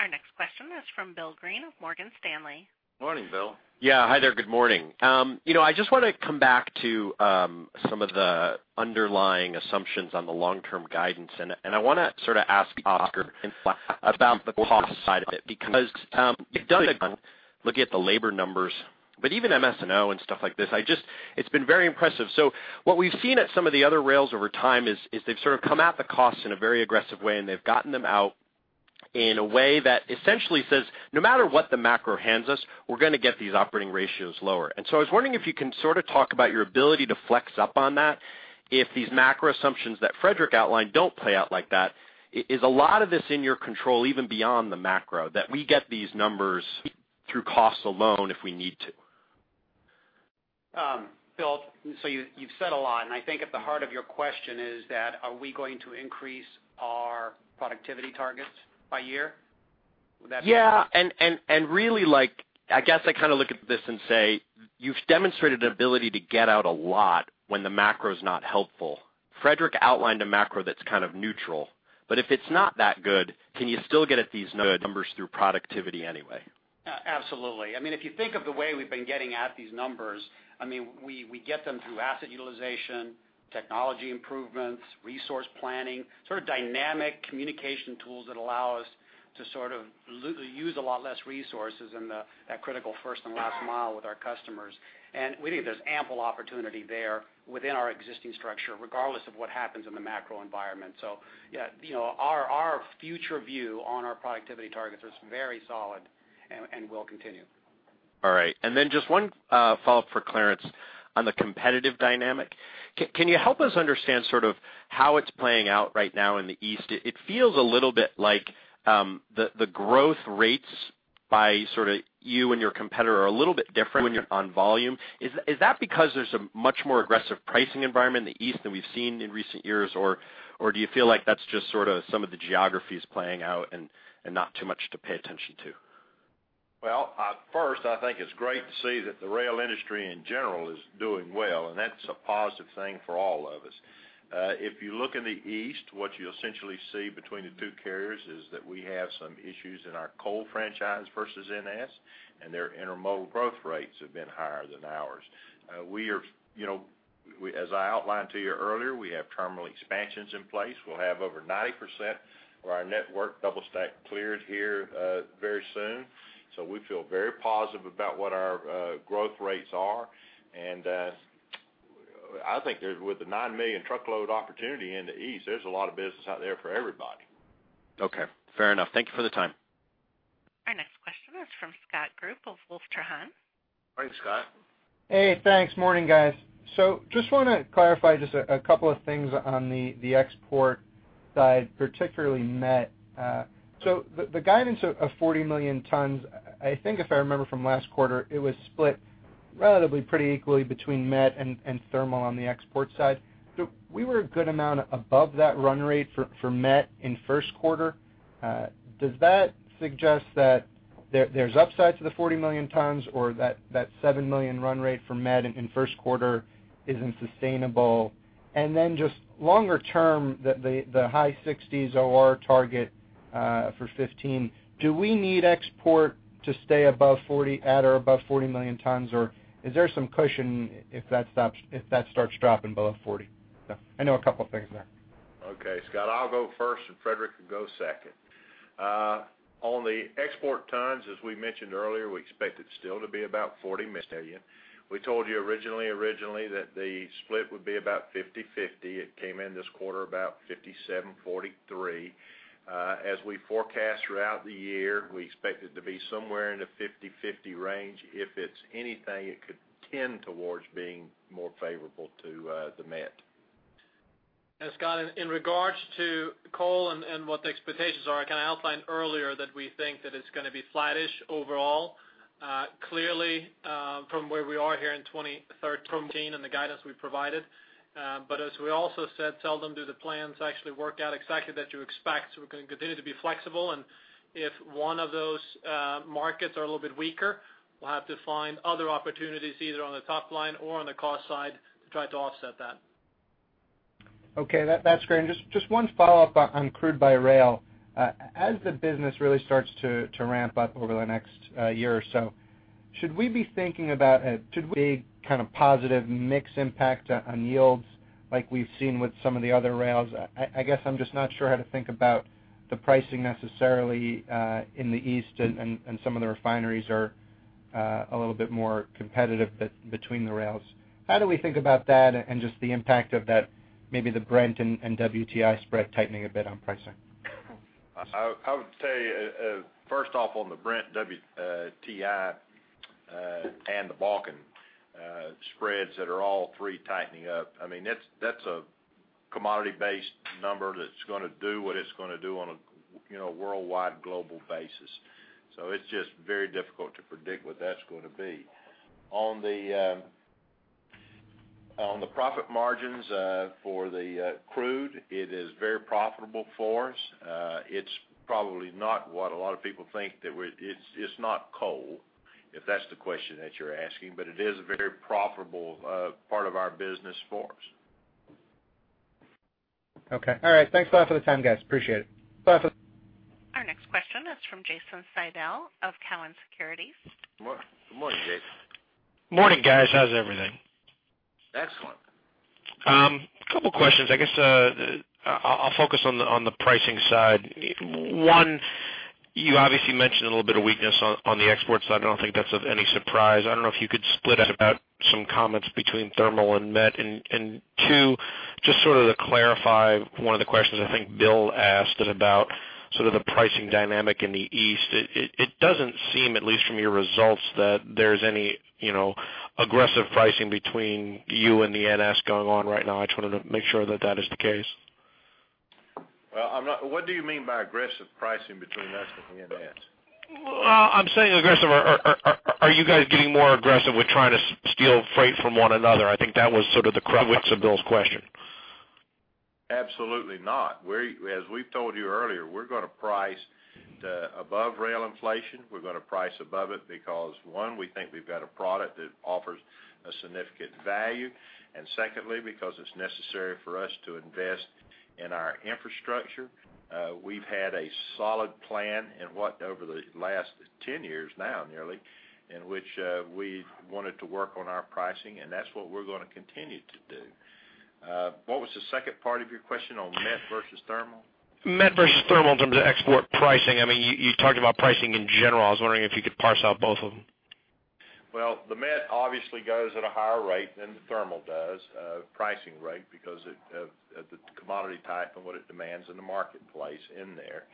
Our next question is from Bill Greene of Morgan Stanley. Morning, Bill. Yeah. Hi there. Good morning. I just want to come back to some of the underlying assumptions on the long-term guidance, and I want to sort of ask Oscar about the cost side of it because you've done a look at the labor numbers, but even MS&O and stuff like this. It's been very impressive. So what we've seen at some of the other rails over time is they've sort of come at the costs in a very aggressive way, and they've gotten them out in a way that essentially says, "No matter what the macro hands us, we're going to get these operating ratios lower." And so I was wondering if you can sort of talk about your ability to flex up on that if these macro assumptions that Fredrik outlined don't play out like that. Is a lot of this in your control, even beyond the macro, that we get these numbers through costs alone if we need to? Bill, so you've said a lot, and I think at the heart of your question is that, "Are we going to increase our productivity targets by year?" Would that be? Yeah. Really, I guess I kind of look at this and say, "You've demonstrated an ability to get out a lot when the macro's not helpful." Fredrik outlined a macro that's kind of neutral, but if it's not that good, can you still get at these numbers through productivity anyway? Absolutely. I mean, if you think of the way we've been getting at these numbers, I mean, we get them through asset utilization, technology improvements, resource planning, sort of dynamic communication tools that allow us to sort of use a lot less resources in that critical first and last mile with our customers. And we think there's ample opportunity there within our existing structure, regardless of what happens in the macro environment. So yeah, our future view on our productivity targets is very solid and will continue. All right. And then just one follow-up for Clarence on the competitive dynamic. Can you help us understand sort of how it's playing out right now in the east? It feels a little bit like the growth rates by sort of you and your competitor are a little bit different when you're on volume. Is that because there's a much more aggressive pricing environment in the east than we've seen in recent years, or do you feel like that's just sort of some of the geography's playing out and not too much to pay attention to? Well, first, I think it's great to see that the rail industry, in general, is doing well, and that's a positive thing for all of us. If you look in the east, what you essentially see between the two carriers is that we have some issues in our coal franchise versus NS, and their intermodal growth rates have been higher than ours. As I outlined to you earlier, we have terminal expansions in place. We'll have over 90% of our network double-stack cleared here very soon. So we feel very positive about what our growth rates are. And I think with the 9 million truckload opportunity in the east, there's a lot of business out there for everybody. Okay. Fair enough. Thank you for the time. Our next question is from Scott Group of Wolfe Trahan. Morning, Scott. Hey. Thanks. Morning, guys. So just want to clarify just a couple of things on the export side particularly, Met. So the guidance of 40 million tons, I think if I remember from last quarter, it was split relatively pretty equally between Met and thermal on the export side. So we were a good amount above that run rate for Met in first quarter. Does that suggest that there's upside to the 40 million tons, or that 7 million run rate for Met in first quarter isn't sustainable? And then just longer term, the high 60s OR target for 2015, do we need export to stay above 40 at or above 40 million tons, or is there some cushion if that starts dropping below 40? So I know a couple of things there. Okay, Scott. I'll go first, and Fredrik can go second. On the export tons, as we mentioned earlier, we expect it still to be about 40 million. We told you originally, originally, that the split would be about 50/50. It came in this quarter about 57/43. As we forecast throughout the year, we expect it to be somewhere in the 50/50 range. If it's anything, it could tend towards being more favorable to the Met. Scott, in regards to coal and what the expectations are, I kind of outlined earlier that we think that it's going to be flattish overall, clearly, from where we are here in 2013 and the guidance we provided. As we also said, seldom do the plans actually work out exactly that you expect. We're going to continue to be flexible, and if one of those markets are a little bit weaker, we'll have to find other opportunities either on the top line or on the cost side to try to offset that. Okay. That's great. Just one follow-up on crude by rail. As the business really starts to ramp up over the next year or so, should we be thinking about a big kind of positive mix impact on yields like we've seen with some of the other rails? I guess I'm just not sure how to think about the pricing necessarily in the east, and some of the refineries are a little bit more competitive between the rails. How do we think about that and just the impact of maybe the Brent and WTI spread tightening a bit on pricing? I would say, first off, on the Brent, WTI, and the Bakken spreads that are all three tightening up. I mean, that's a commodity-based number that's going to do what it's going to do on a worldwide, global basis. So it's just very difficult to predict what that's going to be. On the profit margins for the crude, it is very profitable for us. It's probably not what a lot of people think that it's not coal, if that's the question that you're asking, but it is a very profitable part of our business for us. Okay. All right. Thanks a lot for the time, guys. Appreciate it. Thanks a lot for the time. Our next question is from Jason Seidl of Cowen Securities. Good morning, Jason. Morning, guys. How's everything? Excellent. A couple of questions. I guess I'll focus on the pricing side. One, you obviously mentioned a little bit of weakness on the export side. I don't think that's of any surprise. I don't know if you could split out some comments between thermal and Met. And two, just sort of to clarify one of the questions I think Bill asked about sort of the pricing dynamic in the east, it doesn't seem, at least from your results, that there's any aggressive pricing between you and the NS going on right now. I just wanted to make sure that that is the case. Well, what do you mean by aggressive pricing between us and the NS? Well, I'm saying aggressive. Are you guys getting more aggressive with trying to steal freight from one another? I think that was sort of the crux of Bill's question. Absolutely not. As we've told you earlier, we're going to price above rail inflation. We're going to price above it because, one, we think we've got a product that offers a significant value, and secondly, because it's necessary for us to invest in our infrastructure. We've had a solid plan over the last 10 years now, nearly, in which we wanted to work on our pricing, and that's what we're going to continue to do. What was the second part of your question on Met versus thermal? Met versus thermal in terms of export pricing. I mean, you talked about pricing in general. I was wondering if you could parse out both of them. Well, the Met obviously goes at a higher rate than the thermal does, pricing rate, because of the commodity type and what it demands in the marketplace in there.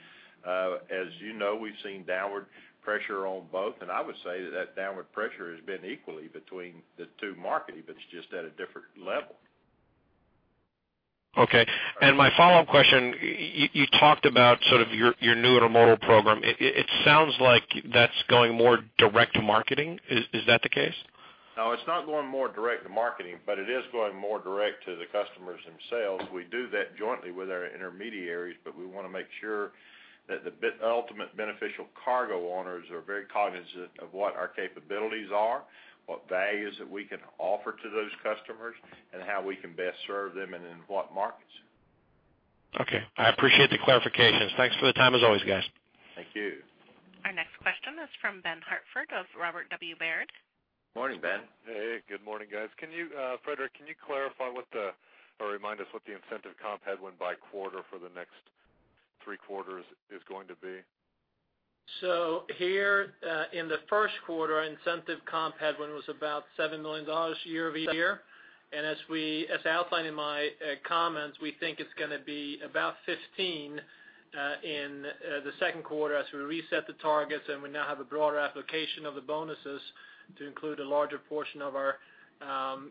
As you know, we've seen downward pressure on both, and I would say that that downward pressure has been equally between the two markets, but it's just at a different level. Okay. My follow-up question, you talked about sort of your new intermodal program. It sounds like that's going more direct to marketing. Is that the case? No, it's not going more direct to marketing, but it is going more direct to the customers themselves. We do that jointly with our intermediaries, but we want to make sure that the ultimate beneficial cargo owners are very cognizant of what our capabilities are, what values that we can offer to those customers, and how we can best serve them and in what markets. Okay. I appreciate the clarifications. Thanks for the time as always, guys. Thank you. Our next question is from Ben Hartford of Robert W. Baird. Morning, Ben. Hey. Good morning, guys. Fredrik, can you clarify or remind us what the incentive comp headwind by quarter for the next three quarters is going to be? Here in the first quarter, incentive comp headwind was about $7 million year-over-year. And as I outlined in my comments, we think it's going to be about $15 million in the second quarter as we reset the targets, and we now have a broader application of the bonuses to include a larger portion of our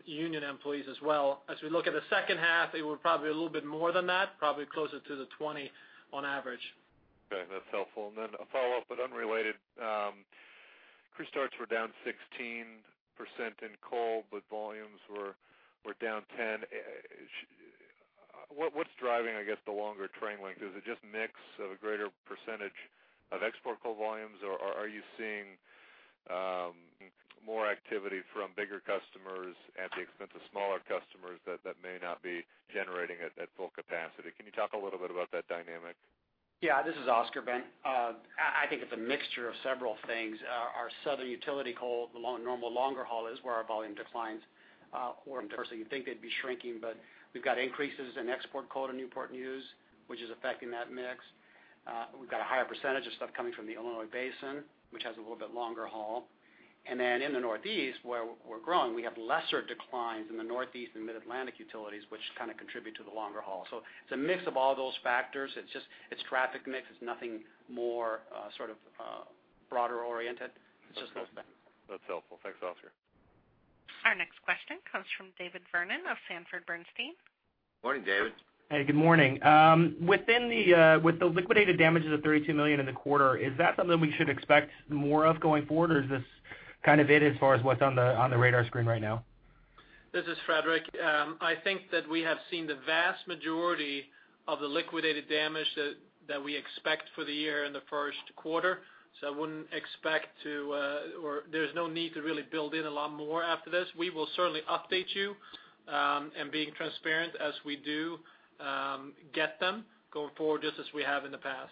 union employees as well. As we look at the second half, it will probably be a little bit more than that, probably closer to the $20 million on average. Okay. That's helpful. And then a follow-up but unrelated. Carloads were down 16% in coal, but volumes were down 10%. What's driving, I guess, the longer haul length? Is it just a mix of a greater percentage of export coal volumes, or are you seeing more activity from bigger customers at the expense of smaller customers that may not be generating at full capacity? Can you talk a little bit about that dynamic? Yeah. This is Oscar, Ben. I think it's a mixture of several things. Our southern utility coal, the normal longer haul is where our volume declines. Or, firstly, you'd think they'd be shrinking, but we've got increases in export coal to Newport News, which is affecting that mix. We've got a higher percentage of stuff coming from the Illinois Basin, which has a little bit longer haul. And then in the northeast, where we're growing, we have lesser declines in the northeast and mid-Atlantic utilities, which kind of contribute to the longer haul. So it's a mix of all those factors. It's traffic mix. It's nothing more sort of broader-oriented. It's just those things. That's helpful. Thanks, Oscar. Our next question comes from David Vernon of Sanford Bernstein. Morning, David. Hey. Good morning. With the liquidated damages of $32 million in the quarter, is that something we should expect more of going forward, or is this kind of it as far as what's on the radar screen right now? This is Fredrik. I think that we have seen the vast majority of the liquidated damages that we expect for the year in the first quarter. So I wouldn't expect to or there's no need to really build in a lot more after this. We will certainly update you and, being transparent, as we do get them going forward, just as we have in the past.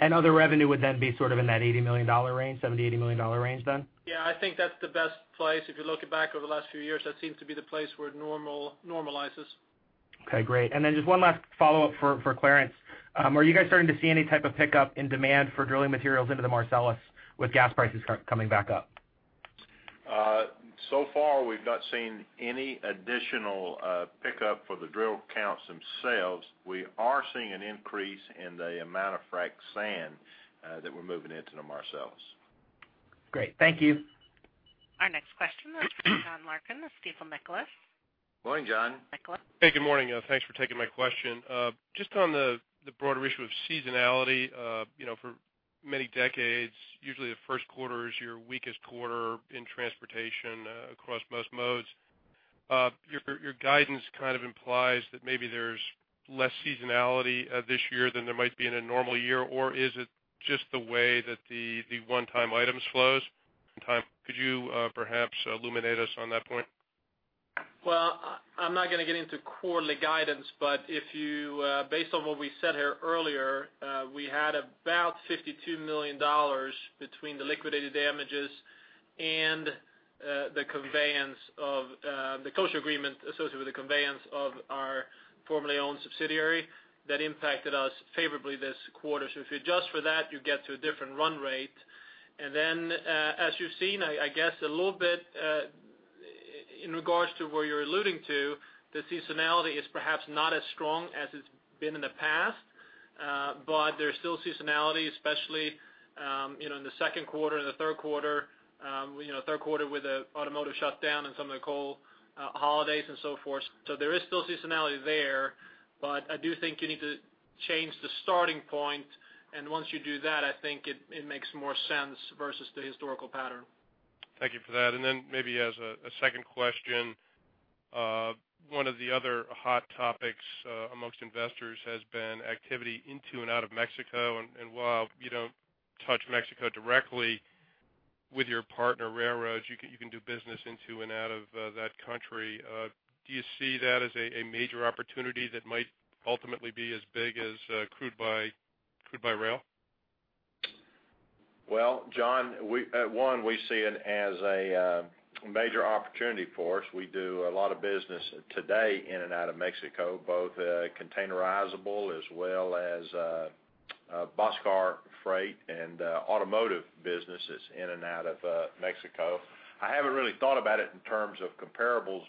Other revenue would then be sort of in that $80 million range, $70 million-$80 million range then? Yeah. I think that's the best place. If you look it back over the last few years, that seems to be the place where it normalizes. Okay. Great. Then just one last follow-up for Clarence. Are you guys starting to see any type of pickup in demand for drilling materials into the Marcellus with gas prices coming back up? So far, we've not seen any additional pickup for the drill counts themselves. We are seeing an increase in the amount of frac sand that we're moving into the Marcellus. Great. Thank you. Our next question is from John Larkin of Stifel Nicolaus. Morning, John. Nicholas. Hey. Good morning. Thanks for taking my question. Just on the broader issue of seasonality, for many decades, usually the first quarter is your weakest quarter in transportation across most modes. Your guidance kind of implies that maybe there's less seasonality this year than there might be in a normal year, or is it just the way that the one-time items flow? Could you perhaps illuminate us on that point? Well, I'm not going to get into quarterly guidance, but based on what we said here earlier, we had about $52 million between the liquidated damages and the closure agreement associated with the conveyance of our formerly owned subsidiary that impacted us favorably this quarter. So if you adjust for that, you get to a different run rate. And then, as you've seen, I guess, a little bit in regards to what you're alluding to, the seasonality is perhaps not as strong as it's been in the past, but there's still seasonality, especially in the second quarter and the third quarter, third quarter with the automotive shutdown and some of the coal holidays and so forth. So there is still seasonality there, but I do think you need to change the starting point. And once you do that, I think it makes more sense versus the historical pattern. Thank you for that. And then maybe as a second question, one of the other hot topics amongst investors has been activity into and out of Mexico. And while you don't touch Mexico directly with your partner railroads, you can do business into and out of that country. Do you see that as a major opportunity that might ultimately be as big as crude by rail? Well, John, one, we see it as a major opportunity for us. We do a lot of business today in and out of Mexico, both containerizable as well as boxcar freight and automotive businesses in and out of Mexico. I haven't really thought about it in terms of comparables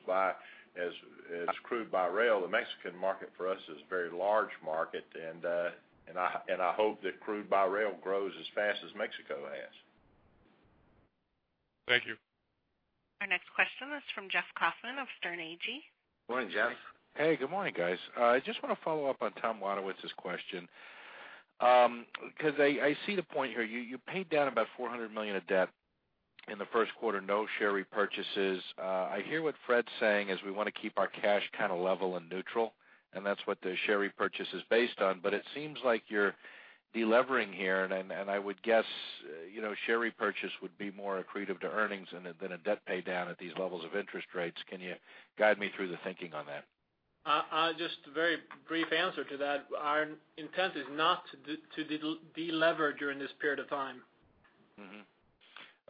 as crude by rail. The Mexican market for us is a very large market, and I hope that crude by rail grows as fast as Mexico has. Thank you. Our next question is from Jeff Kauffman of Sterne Agee. Morning, Jeff. Hey. Good morning, guys. I just want to follow up on Tom Wadewitz's question because I see the point here. You paid down about $400 million of debt in the first quarter, no share repurchases. I hear what Fred's saying is we want to keep our cash kind of level and neutral, and that's what the share repurchase is based on, but it seems like you're delevering here. I would guess share repurchase would be more accretive to earnings than a debt paydown at these levels of interest rates. Can you guide me through the thinking on that? Just a very brief answer to that. Our intent is not to delever during this period of time.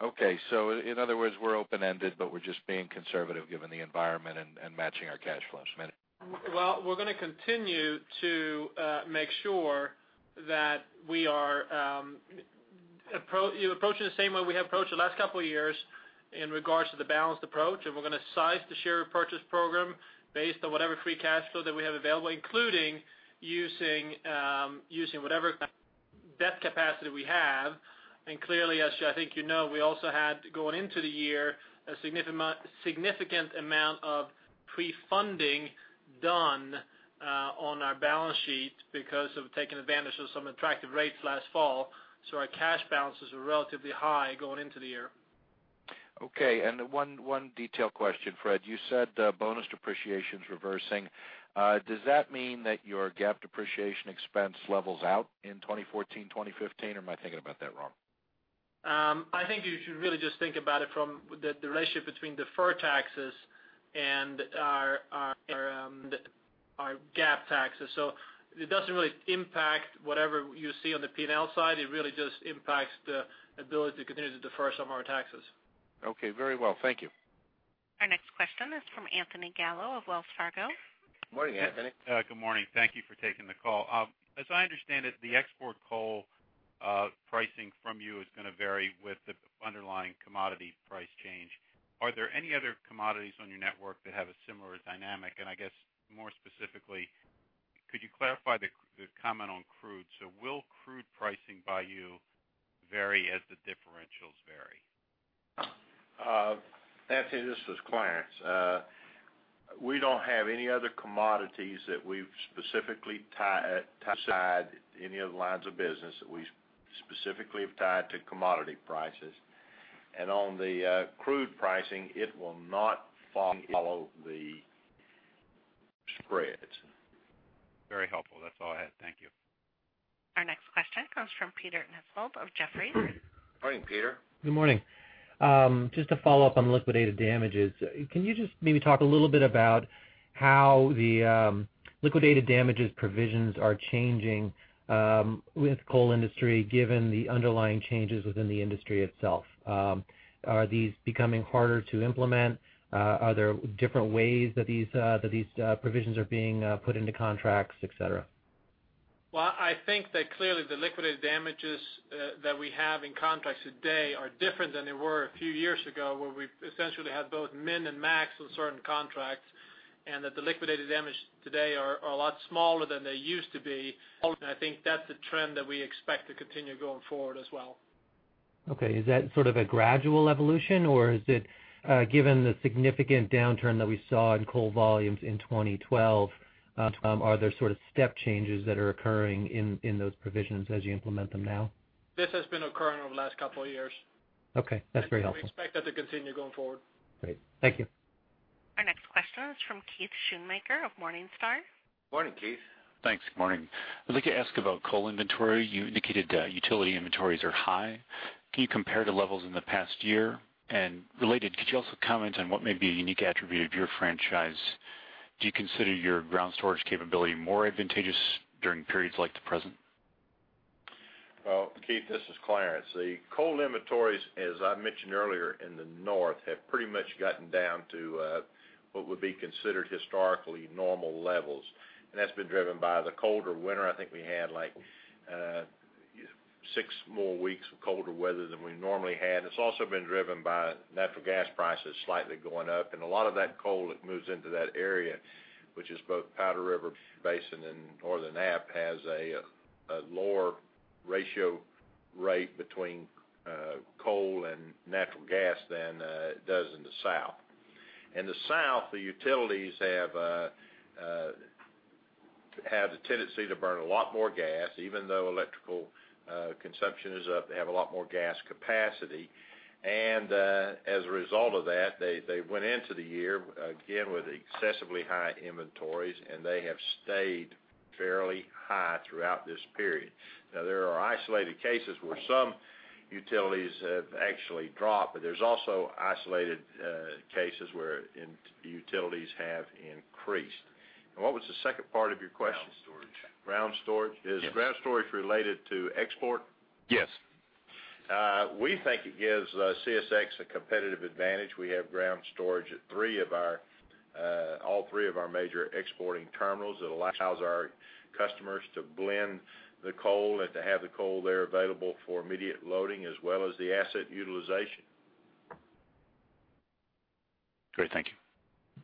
Okay. In other words, we're open-ended, but we're just being conservative given the environment and matching our cash flows. Well, we're going to continue to make sure that we are approaching the same way we have approached the last couple of years in regards to the balanced approach, and we're going to size the share repurchase program based on whatever free cash flow that we have available, including using whatever debt capacity we have. Clearly, as I think you know, we also had, going into the year, a significant amount of pre-funding done on our balance sheet because of taking advantage of some attractive rates last fall. So our cash balances are relatively high going into the year. Okay. One detail question, Fred. You said bonus depreciations reversing. Does that mean that your GAAP depreciation expense levels out in 2014, 2015, or am I thinking about that wrong? I think you should really just think about it from the relationship between deferred taxes and our GAAP taxes. So it doesn't really impact whatever you see on the P&L side. It really just impacts the ability to continue to defer some of our taxes. Okay. Very well. Thank you. Our next question is from Anthony Gallo of Wells Fargo. Morning, Anthony. Good morning. Thank you for taking the call. As I understand it, the export coal pricing from you is going to vary with the underlying commodity price change. Are there any other commodities on your network that have a similar dynamic? I guess, more specifically, could you clarify the comment on crude? Will crude pricing by you vary as the differentials vary? Anthony, this is Clarence. We don't have any other commodities that we've specifically tied any other lines of business that we specifically have tied to commodity prices. And on the crude pricing, it will not follow the spreads. Very helpful. That's all I had. Thank you. Our next question comes from Peter Nesvold of Jefferies. Morning, Peter. Good morning. Just to follow up on liquidated damages, can you just maybe talk a little bit about how the liquidated damages provisions are changing with the coal industry given the underlying changes within the industry itself? Are these becoming harder to implement? Are there different ways that these provisions are being put into contracts, etc.? Well, I think that clearly, the liquidated damages that we have in contracts today are different than they were a few years ago where we've essentially had both min and max on certain contracts and that the liquidated damages today are a lot smaller than they used to be. And I think that's a trend that we expect to continue going forward as well. Okay. Is that sort of a gradual evolution, or is it given the significant downturn that we saw in coal volumes in 2012, are there sort of step changes that are occurring in those provisions as you implement them now? This has been occurring over the last couple of years. Okay. That's very helpful. We expect that to continue going forward. Great. Thank you. Our next question is from Keith Schoonmaker of Morningstar. Morning, Keith. Thanks. Good morning. I'd like to ask about coal inventory. You indicated that utility inventories are high. Can you compare the levels in the past year? And related, could you also comment on what may be a unique attribute of your franchise? Do you consider your ground storage capability more advantageous during periods like the present? Well, Keith, this is Clarence. The coal inventories, as I mentioned earlier, in the north have pretty much gotten down to what would be considered historically normal levels. That's been driven by the colder winter. I think we had six more weeks of colder weather than we normally had. It's also been driven by natural gas prices slightly going up. A lot of that coal that moves into that area, which is both Powder River Basin and Northern App, has a lower ratio rate between coal and natural gas than it does in the south. In the south, the utilities have the tendency to burn a lot more gas. Even though electrical consumption is up, they have a lot more gas capacity. As a result of that, they went into the year again with excessively high inventories, and they have stayed fairly high throughout this period. Now, there are isolated cases where some utilities have actually dropped, but there's also isolated cases where utilities have increased. And what was the second part of your question? Ground storage. Ground storage. Is ground storage related to export? Yes. We think it gives CSX a competitive advantage. We have ground storage at all three of our major exporting terminals. It allows our customers to blend the coal and to have the coal there available for immediate loading as well as the asset utilization. Great. Thank you.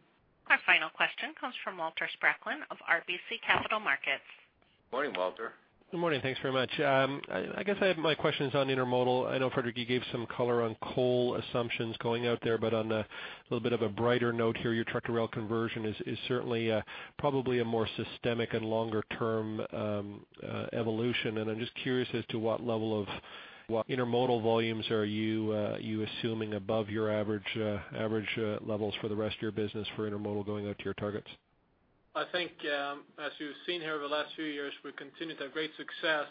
Our final question comes from Walter Spracklin of RBC Capital Markets. Morning, Walter. Good morning. Thanks very much. I guess I have my questions on intermodal. I know Fredrik, you gave some color on coal assumptions going forward, but on a little bit of a brighter note here, your truck-to-rail conversion is certainly probably a more systemic and longer-term evolution. I'm just curious as to what level of intermodal volumes are you assuming above your average levels for the rest of your business for intermodal going forward to your targets? I think, as you've seen here over the last few years, we've continued to have great success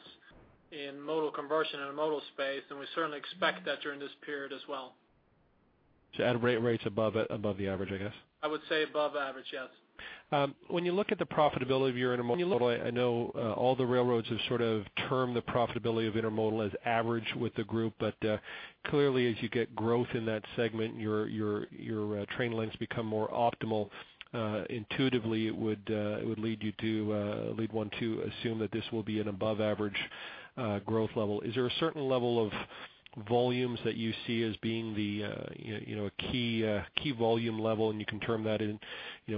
in modal conversion in the modal space, and we certainly expect that during this period as well. So at rates above the average, I guess? I would say above average, yes. When you look at the profitability of your intermodal, I know all the railroads have sort of termed the profitability of intermodal as average with the group, but clearly, as you get growth in that segment, your train lengths become more optimal. Intuitively, it would lead you to, lead one to assume that this will be an above-average growth level. Is there a certain level of volumes that you see as being a key volume level, and you can term that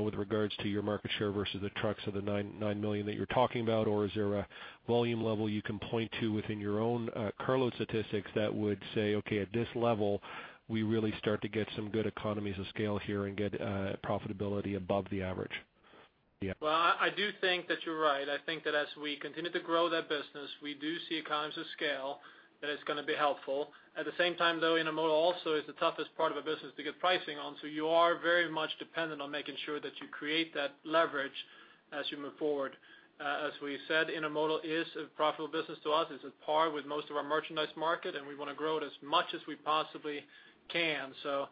with regards to your market share versus the trucks of the nine million that you're talking about, or is there a volume level you can point to within your own carload statistics that would say, "Okay. At this level, we really start to get some good economies of scale here and get profitability above the average"? Well, I do think that you're right. I think that as we continue to grow that business, we do see economies of scale that is going to be helpful. At the same time, though, intermodal also is the toughest part of a business to get pricing on. So you are very much dependent on making sure that you create that leverage as you move forward. As we said, intermodal is a profitable business to us. It's at par with most of our merchandise market, and we want to grow it as much as we possibly can. So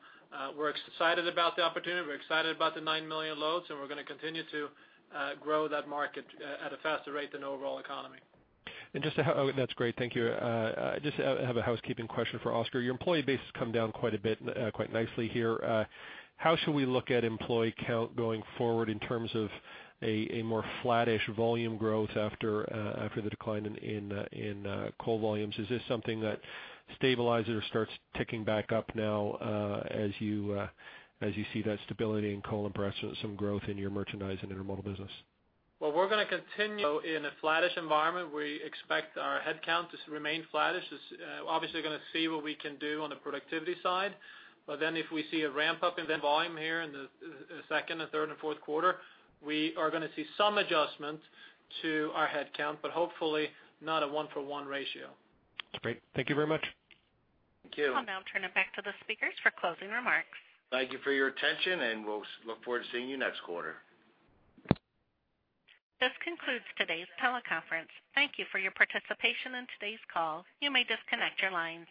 we're excited about the opportunity. We're excited about the 9 million loads, and we're going to continue to grow that market at a faster rate than the overall economy. And just to oh, that's great. Thank you. I just have a housekeeping question for Oscar. Your employee base has come down quite a bit, quite nicely here. How should we look at employee count going forward in terms of a more flat-ish volume growth after the decline in coal volumes? Is this something that stabilizes or starts ticking back up now as you see that stability in coal and some growth in your merchandise and intermodal business? Well, we're going to continue. In a flat-ish environment, we expect our headcount to remain flat-ish. Obviously, we're going to see what we can do on the productivity side. But then if we see a ramp-up in volume here in the second, third, and fourth quarter, we are going to see some adjustment to our headcount, but hopefully, not a 1-for-1 ratio. That's great. Thank you very much. Thank you. I'll turn it back to the speakers for closing remarks. Thank you for your attention, and we'll look forward to seeing you next quarter. This concludes today's teleconference. Thank you for your participation in today's call. You may disconnect your lines.